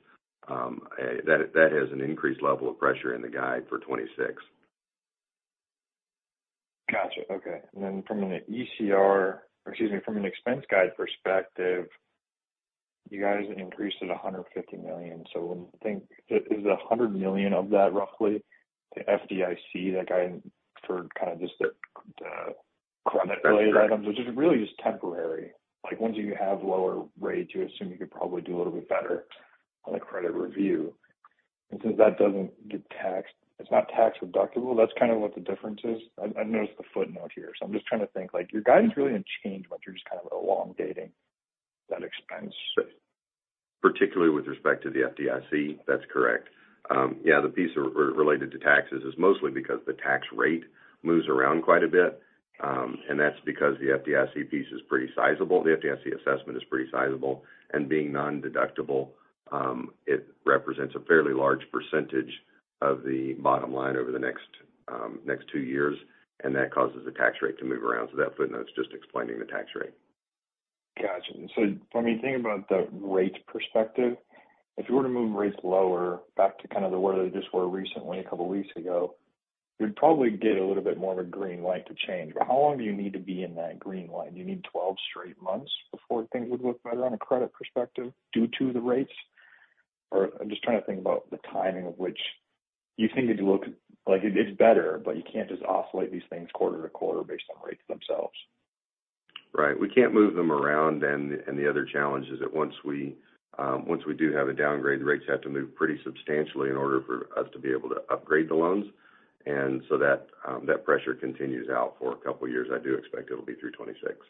an increased level of pressure in the guide for 2026. Gotcha. Okay. And then from an ECR, or excuse me, from an expense guide perspective, you guys increased it $150 million. So when we think, is the $100 million of that roughly the FDIC, that guide for kind of just the credit items- That's right. Which is really just temporary. Like, once you have lower rates, you assume you could probably do a little bit better on the credit review, and since that doesn't get taxed, it's not tax-deductible, that's kind of what the difference is. I, I noticed the footnote here, so I'm just trying to think, like, your guidance really didn't change, but you're just kind of elongating that expense. Particularly with respect to the FDIC, that's correct. Yeah, the piece related to taxes is mostly because the tax rate moves around quite a bit, and that's because the FDIC piece is pretty sizable. The FDIC assessment is pretty sizable, and being nondeductible, it represents a fairly large percentage of the bottom line over the next two years, and that causes the tax rate to move around. So that footnote is just explaining the tax rate. Gotcha. So when we think about the rate perspective, if you were to move rates lower, back to kind of where they just were recently, a couple weeks ago, you'd probably get a little bit more of a green light to change. But how long do you need to be in that green light? Do you need 12 straight months before things would look better on a credit perspective due to the rates? Or I'm just trying to think about the timing of which you think it'd look like it's better, but you can't just oscillate these things quarter to quarter based on rates themselves. Right. We can't move them around, and the other challenge is that once we do have a downgrade, the rates have to move pretty substantially in order for us to be able to upgrade the loans, and so that pressure continues out for a couple of years. I do expect it'll be through 2026.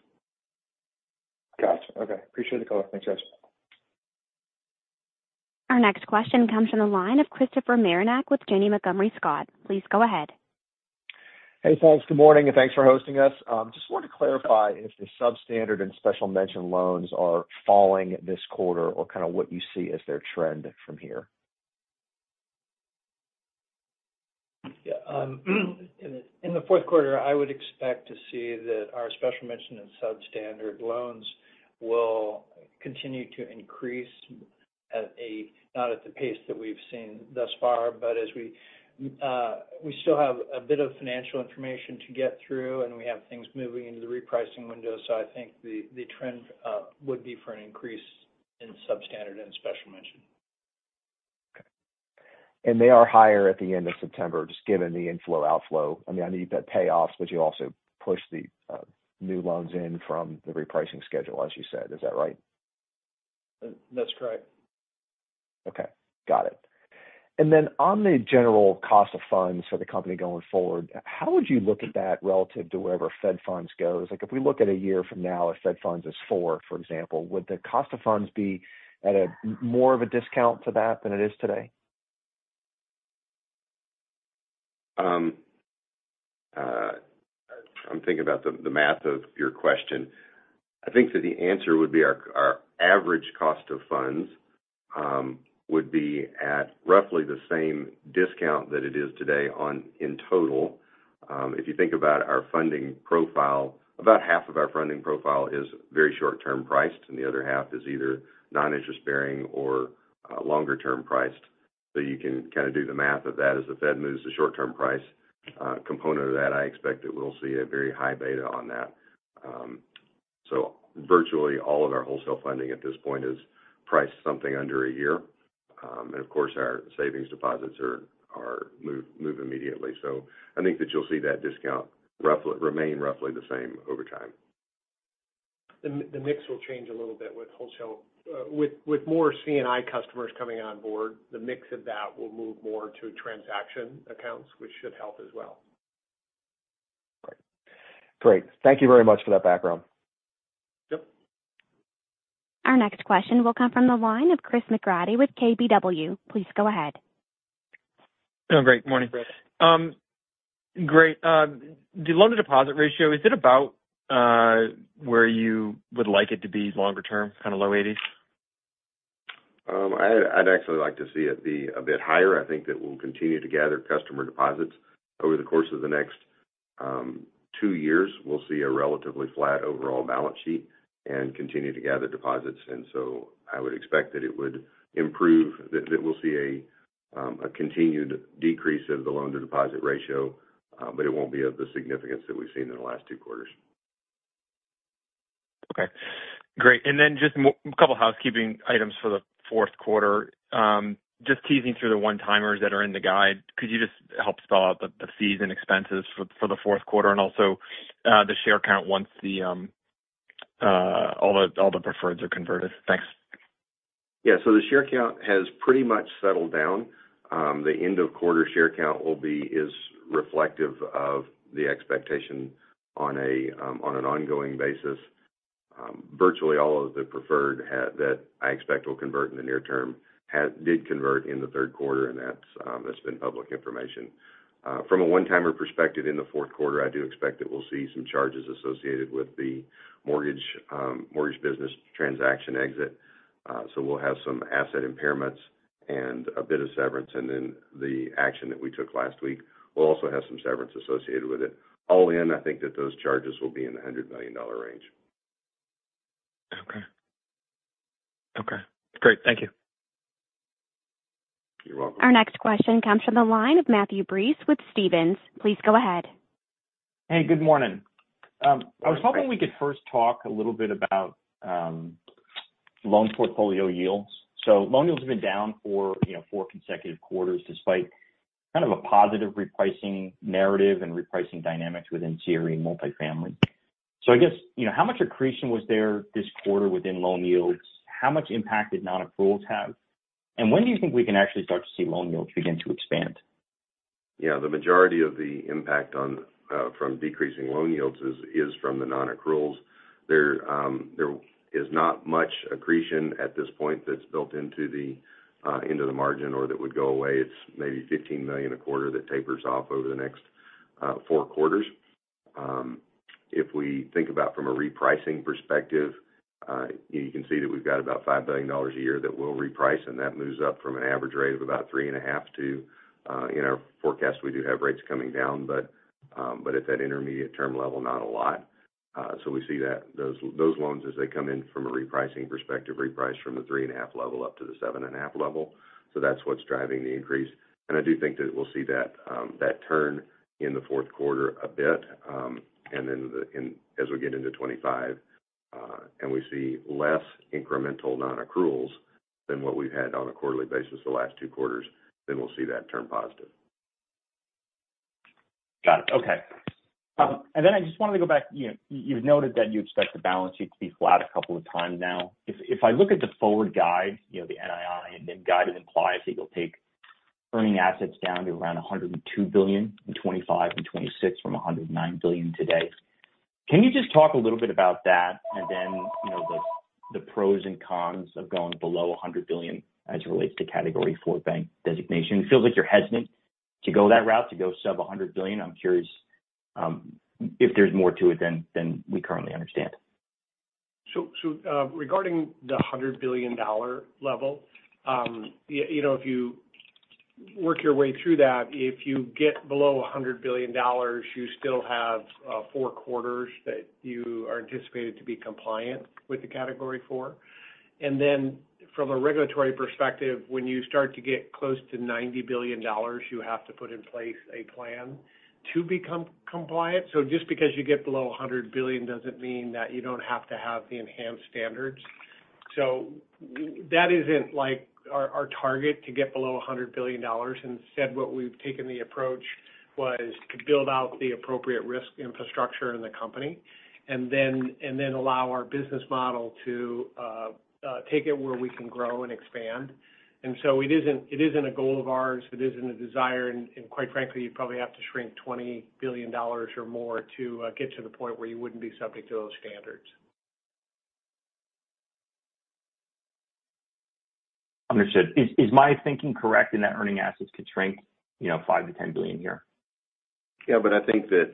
Gotcha. Okay. Appreciate the call. Thanks, guys. Our next question comes from the line of Christopher Marinac with Janney Montgomery Scott. Please go ahead. ... Hey, folks, good morning, and thanks for hosting us. Just wanted to clarify if the substandard and special mention loans are falling this quarter or kind of what you see as their trend from here? Yeah, in the fourth quarter, I would expect to see that our special mention and substandard loans will continue to increase, not at the pace that we've seen thus far, but as we still have a bit of financial information to get through, and we have things moving into the repricing window. So I think the trend would be for an increase in substandard and special mention. Okay. And they are higher at the end of September, just given the inflow, outflow. I mean, I need the payoffs, but you also push the new loans in from the repricing schedule, as you said. Is that right? That's correct. Okay, got it. And then on the general cost of funds for the company going forward, how would you look at that relative to wherever Fed funds goes? Like, if we look at a year from now, if Fed funds is four, for example, would the cost of funds be at a more of a discount to that than it is today? I'm thinking about the math of your question. I think that the answer would be our average cost of funds would be at roughly the same discount that it is today in total. If you think about our funding profile, about half of our funding profile is very short-term priced, and the other half is either non-interest bearing or longer-term priced. So you can kind of do the math of that. As the Fed moves the short-term price component of that, I expect that we'll see a very high beta on that. So virtually all of our wholesale funding at this point is priced something under a year. And of course, our savings deposits are move immediately. So I think that you'll see that discount roughly remain roughly the same over time. The mix will change a little bit with wholesale. With more C&I customers coming on board, the mix of that will move more to transaction accounts, which should help as well. Great. Great, thank you very much for that background. Yep. Our next question will come from the line of Chris McGraty with KBW. Please go ahead. Good morning. The loan-to-deposit ratio, is it about where you would like it to be longer term, kind of low 80s%? I'd actually like to see it be a bit higher. I think that we'll continue to gather customer deposits. Over the course of the next two years, we'll see a relatively flat overall balance sheet and continue to gather deposits. And so I would expect that it would improve, that we'll see a continued decrease of the loan-to-deposit ratio, but it won't be of the significance that we've seen in the last two quarters. Okay, great. And then just a couple of housekeeping items for the fourth quarter. Just teasing through the one-timers that are in the guide. Could you just help spell out the fees and expenses for the fourth quarter, and also the share count once all the preferreds are converted? Thanks. Yeah, so the share count has pretty much settled down. The end of quarter share count will be, is reflective of the expectation on a, on an ongoing basis. Virtually all of the preferred that I expect will convert in the near term, has did convert in the third quarter, and that's, that's been public information. From a one-timer perspective, in the fourth quarter, I do expect that we'll see some charges associated with the mortgage, mortgage business transaction exit. So we'll have some asset impairments and a bit of severance, and then the action that we took last week will also have some severance associated with it. All in, I think that those charges will be in the $100 million range. Okay. Great. Thank you. You're welcome. Our next question comes from the line of Matthew Breese with Stephens. Please go ahead. Hey, good morning. I was hoping we could first talk a little bit about loan portfolio yields. So loan yields have been down for, you know, four consecutive quarters, despite kind of a positive repricing narrative and repricing dynamics within CRE and multifamily. So I guess, you know, how much accretion was there this quarter within loan yields? How much impact did non-accruals have, and when do you think we can actually start to see loan yields begin to expand? Yeah, the majority of the impact on from decreasing loan yields is from the non-accruals. There is not much accretion at this point that's built into the margin or that would go away. It's maybe $15 million a quarter that tapers off over the next four quarters. If we think about from a repricing perspective, you can see that we've got about $5 billion a year that we'll reprice, and that moves up from an average rate of about three and a half to, in our forecast, we do have rates coming down, but at that intermediate-term level, not a lot. So we see that those loans, as they come in from a repricing perspective, reprice from the three and a half level up to the seven and a half level. So that's what's driving the increase. And I do think that we'll see that, that turn in the fourth quarter a bit, and then as we get into 2025, and we see less incremental non-accruals than what we've had on a quarterly basis the last two quarters, then we'll see that turn positive. Got it. Okay. And then I just wanted to go back. You've noted that you expect the balance sheet to be flat a couple of times now. If I look at the forward guide, you know, the NII and then guided implies that you'll take earning assets down to around $102 billion in 2025 and 2026 from $109 billion today. Can you just talk a little bit about that? And then, you know, the pros and cons of going below $100 billion as it relates to Category Four bank designation. It feels like you're hesitant to go that route, to go sub-$100 billion. I'm curious if there's more to it than we currently understand. Regarding the $100 billion level, you know, if you work your way through that, if you get below $100 billion, you still have four quarters that you are anticipated to be compliant with the Category Four, and then from a regulatory perspective, when you start to get close to $90 billion, you have to put in place a plan to become compliant. Just because you get below $100 billion, doesn't mean that you don't have to have the enhanced standards. That isn't, like, our target to get below $100 billion. Instead, what we've taken the approach was to build out the appropriate risk infrastructure in the company and then allow our business model to take it where we can grow and expand. It isn't a goal of ours. It isn't a desire, and quite frankly, you'd probably have to shrink $20 billion or more to get to the point where you wouldn't be subject to those standards. Understood. Is my thinking correct, in that earning assets could shrink, you know, $5 billion-$10 billion here? Yeah, but I think that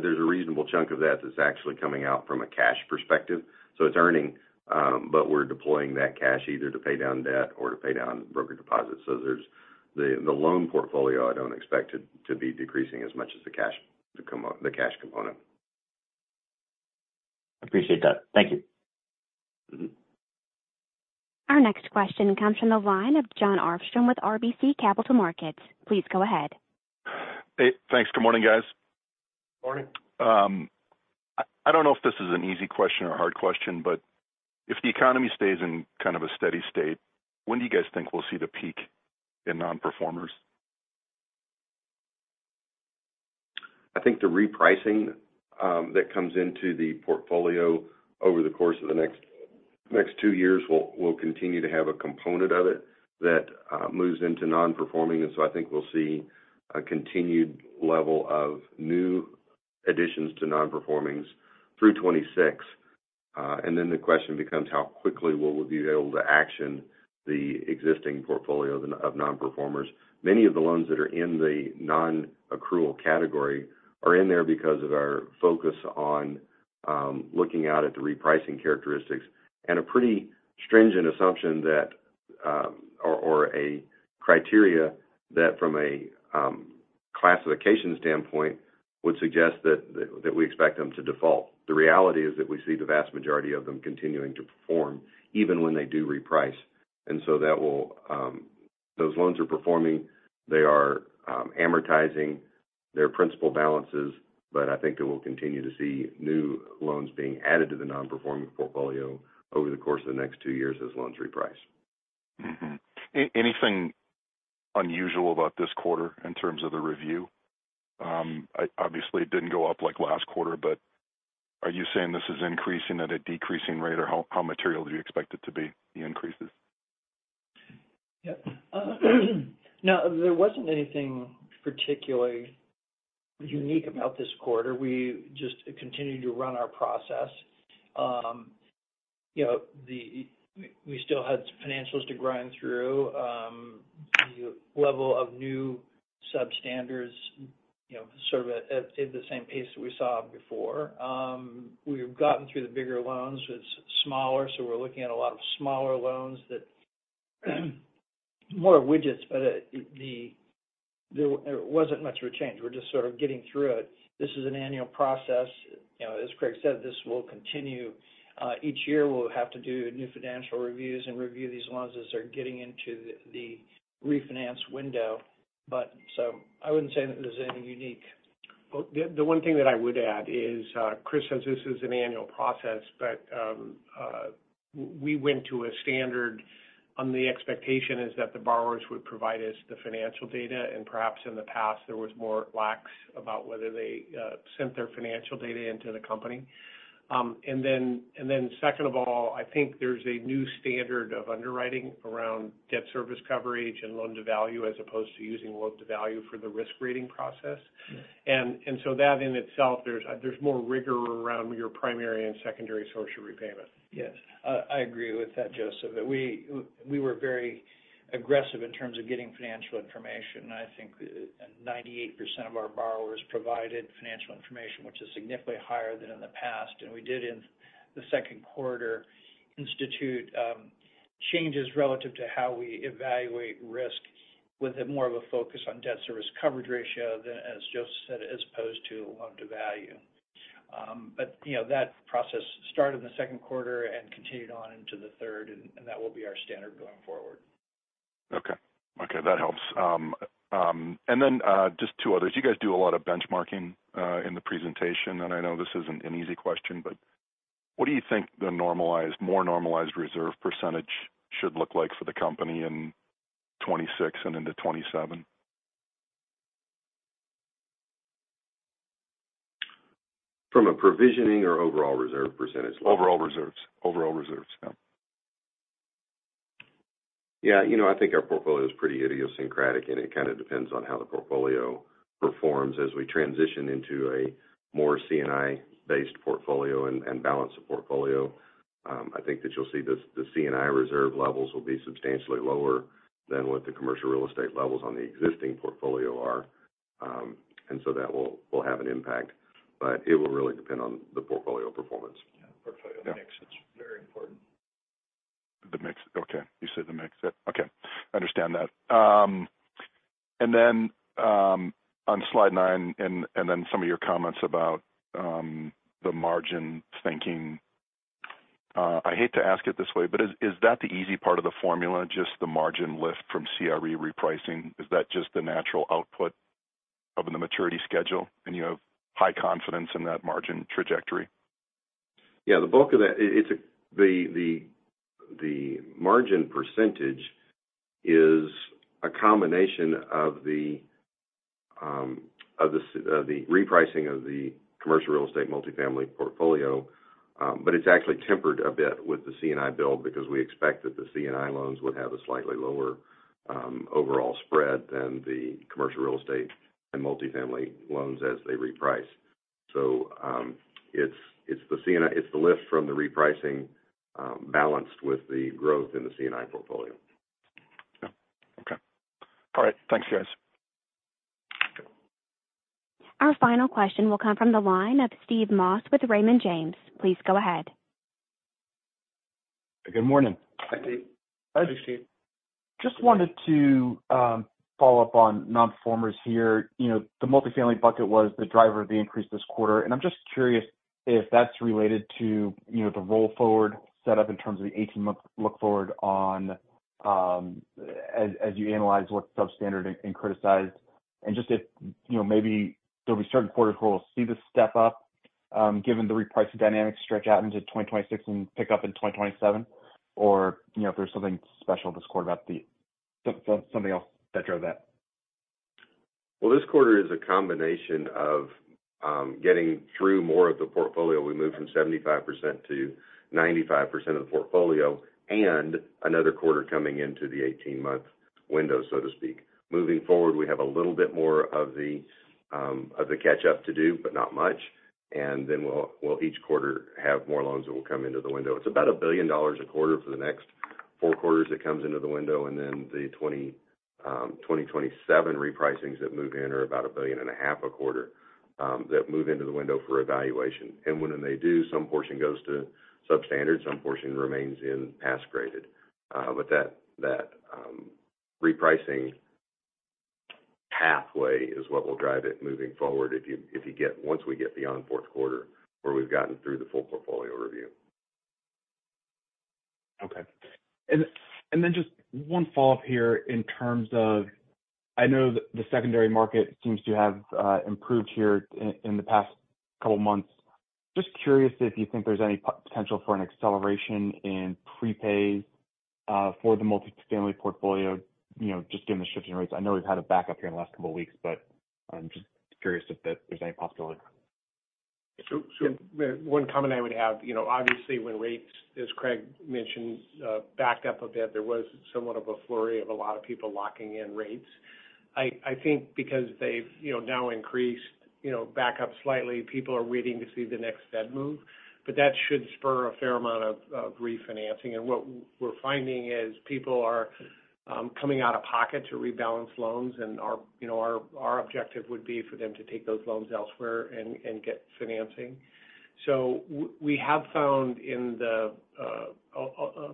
there's a reasonable chunk of that is actually coming out from a cash perspective. So it's earning, but we're deploying that cash either to pay down debt or to pay down broker deposits. So there's the loan portfolio. I don't expect it to be decreasing as much as the cash component. Appreciate that. Thank you. Mm-hmm. Our next question comes from the line of Jon Arfstrom with RBC Capital Markets. Please go ahead. Hey, thanks. Good morning, guys. Morning. I don't know if this is an easy question or a hard question, but if the economy stays in kind of a steady state, when do you guys think we'll see the peak in non-performers? I think the repricing that comes into the portfolio over the course of the next two years will continue to have a component of it that moves into non-performing. So I think we'll see a continued level of new additions to non-performings through 2026. Then the question becomes how quickly will we be able to action the existing portfolio of non-performers? Many of the loans that are in the non-accrual category are in there because of our focus on looking out at the repricing characteristics and a pretty stringent assumption that, or a criteria that, from a classification standpoint, would suggest that we expect them to default. The reality is that we see the vast majority of them continuing to perform, even when they do reprice. And so that will, those loans are performing, they are, amortizing their principal balances, but I think it will continue to see new loans being added to the nonperforming portfolio over the course of the next two years as loans reprice. Mm-hmm. Anything unusual about this quarter in terms of the review? Obviously, it didn't go up like last quarter, but are you saying this is increasing at a decreasing rate, or how material do you expect it to be, the increases? Yeah. No, there wasn't anything particularly unique about this quarter. We just continued to run our process. You know, we still had some financials to grind through. The level of new substandards, you know, sort of at the same pace that we saw before. We've gotten through the bigger loans, it's smaller, so we're looking at a lot of smaller loans that, more widgets, but there wasn't much of a change. We're just sort of getting through it. This is an annual process. You know, as Craig said, this will continue. Each year, we'll have to do new financial reviews and review these loans as they're getting into the refinance window, but so I wouldn't say that there's anything unique. The one thing that I would add is, Kris says this is an annual process, but we went to a standard on the expectation is that the borrowers would provide us the financial data, and perhaps in the past, there was more lax about whether they sent their financial data into the company, and then second of all, I think there's a new standard of underwriting around debt service coverage and loan-to-value, as opposed to using loan-to-value for the risk rating process. Yeah. And so that in itself, there's more rigor around your primary and secondary source of repayment. Yes, I agree with that, Joseph. That we were very aggressive in terms of getting financial information. I think 98% of our borrowers provided financial information, which is significantly higher than in the past. And we did, in the second quarter, institute changes relative to how we evaluate risk, with more of a focus on debt service coverage ratio than, as Joseph said, as opposed to loan-to-value. But, you know, that process started in the second quarter and continued on into the third, and that will be our standard going forward. Okay. That helps, and then just two others. You guys do a lot of benchmarking in the presentation, and I know this isn't an easy question, but what do you think the normalized, more normalized reserve percentage should look like for the company in 2026 and into 2027? From a provisioning or overall reserve percentage? Overall reserves. Overall reserves, yeah.... Yeah, you know, I think our portfolio is pretty idiosyncratic, and it kind of depends on how the portfolio performs as we transition into a more C&I-based portfolio and balance the portfolio. I think that you'll see the C&I reserve levels will be substantially lower than what the commercial real estate levels on the existing portfolio are. And so that will have an impact, but it will really depend on the portfolio performance. Yeah, portfolio mix is very important. The mix. Okay. You said the mix. Okay, I understand that. And then, on slide nine, and then some of your comments about the margin thinking. I hate to ask it this way, but is that the easy part of the formula, just the margin lift from CRE repricing? Is that just the natural output of the maturity schedule, and you have high confidence in that margin trajectory? Yeah, the bulk of that, the margin percentage is a combination of the repricing of the commercial real estate multifamily portfolio, but it's actually tempered a bit with the C&I build because we expect that the C&I loans would have a slightly lower overall spread than the commercial real estate and multifamily loans as they reprice, so it's the lift from the repricing balanced with the growth in the C&I portfolio. Yeah. Okay. All right. Thanks, guys. Our final question will come from the line of Steve Moss with Raymond James. Please go ahead. Good morning. Hi, Steve. Hi, Steve. Just wanted to follow up on nonperformers here. You know, the multifamily bucket was the driver of the increase this quarter, and I'm just curious if that's related to, you know, the roll-forward setup in terms of the eighteen-month look forward on, as you analyze what's substandard and criticized. And just if, you know, maybe there'll be certain quarters we'll see this step up, given the repricing dynamics stretch out into 2026 and pick up in 2027, or, you know, if there's something special this quarter about the, something else that drove that. This quarter is a combination of getting through more of the portfolio. We moved from 75% to 95% of the portfolio and another quarter coming into the eighteen-month window, so to speak. Moving forward, we have a little bit more of the catch up to do, but not much. Then we'll each quarter have more loans that will come into the window. It's about $1 billion a quarter for the next four quarters that comes into the window, and then the 2027 repricings that move in are about $1.5 billion a quarter that move into the window for evaluation. And when they do, some portion goes to substandard, some portion remains in pass graded. But that repricing pathway is what will drive it moving forward once we get beyond fourth quarter, where we've gotten through the full portfolio review. Okay. And then just one follow-up here in terms of... I know that the secondary market seems to have improved here in the past couple months. Just curious if you think there's any potential for an acceleration in prepays for the multifamily portfolio, you know, just given the shifting rates. I know we've had a backup here in the last couple of weeks, but I'm just curious if there's any possibility. So, so- One comment I would have, you know, obviously, when rates, as Craig mentioned, backed up a bit, there was somewhat of a flurry of a lot of people locking in rates. I think because they've, you know, now increased back up slightly, people are waiting to see the next Fed move, but that should spur a fair amount of refinancing. And what we're finding is people are coming out of pocket to rebalance loans, and our, you know, objective would be for them to take those loans elsewhere and get financing. So we have found in the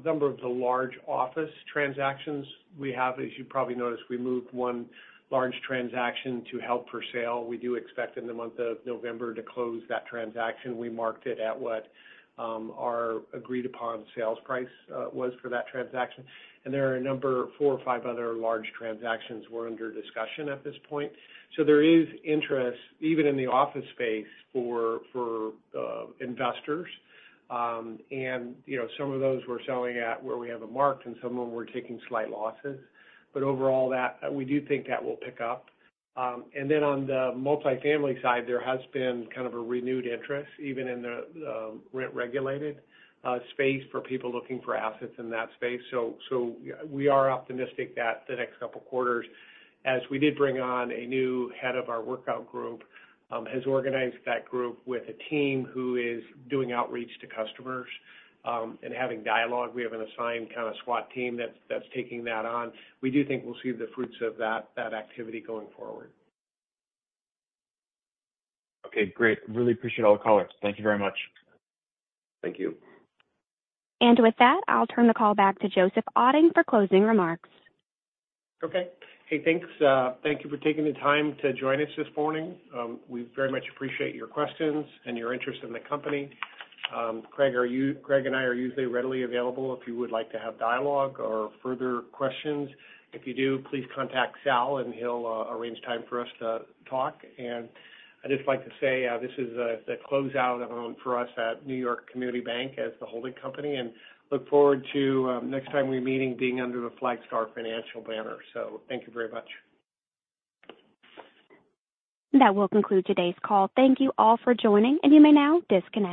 number of the large office transactions we have, as you probably noticed, we moved one large transaction to held for sale. We do expect in the month of November to close that transaction. We marked it at what our agreed-upon sales price was for that transaction, and there are a number, four or five other large transactions were under discussion at this point. There is interest, even in the office space, for investors. You know, some of those we're selling at where we have it marked, and some of them we're taking slight losses. But overall, we do think that will pick up, and then on the multifamily side, there has been kind of a renewed interest, even in the rent-regulated space for people looking for assets in that space. We are optimistic that the next couple of quarters, as we did bring on a new head of our workout group, has organized that group with a team who is doing outreach to customers and having dialogue. We have an assigned kind of SWAT team that's taking that on. We do think we'll see the fruits of that activity going forward. Okay, great. Really appreciate all the color. Thank you very much. Thank you. With that, I'll turn the call back to Joseph Otting for closing remarks. Okay. Hey, thanks. Thank you for taking the time to join us this morning. We very much appreciate your questions and your interest in the company. Craig and I are usually readily available if you would like to have dialogue or further questions. If you do, please contact Sal, and he'll arrange time for us to talk. And I'd just like to say, this is the closeout of them for us at New York Community Bancorp as the holding company, and look forward to next time we're meeting, being under the Flagstar Financial banner. So thank you very much. That will conclude today's call. Thank you all for joining, and you may now disconnect.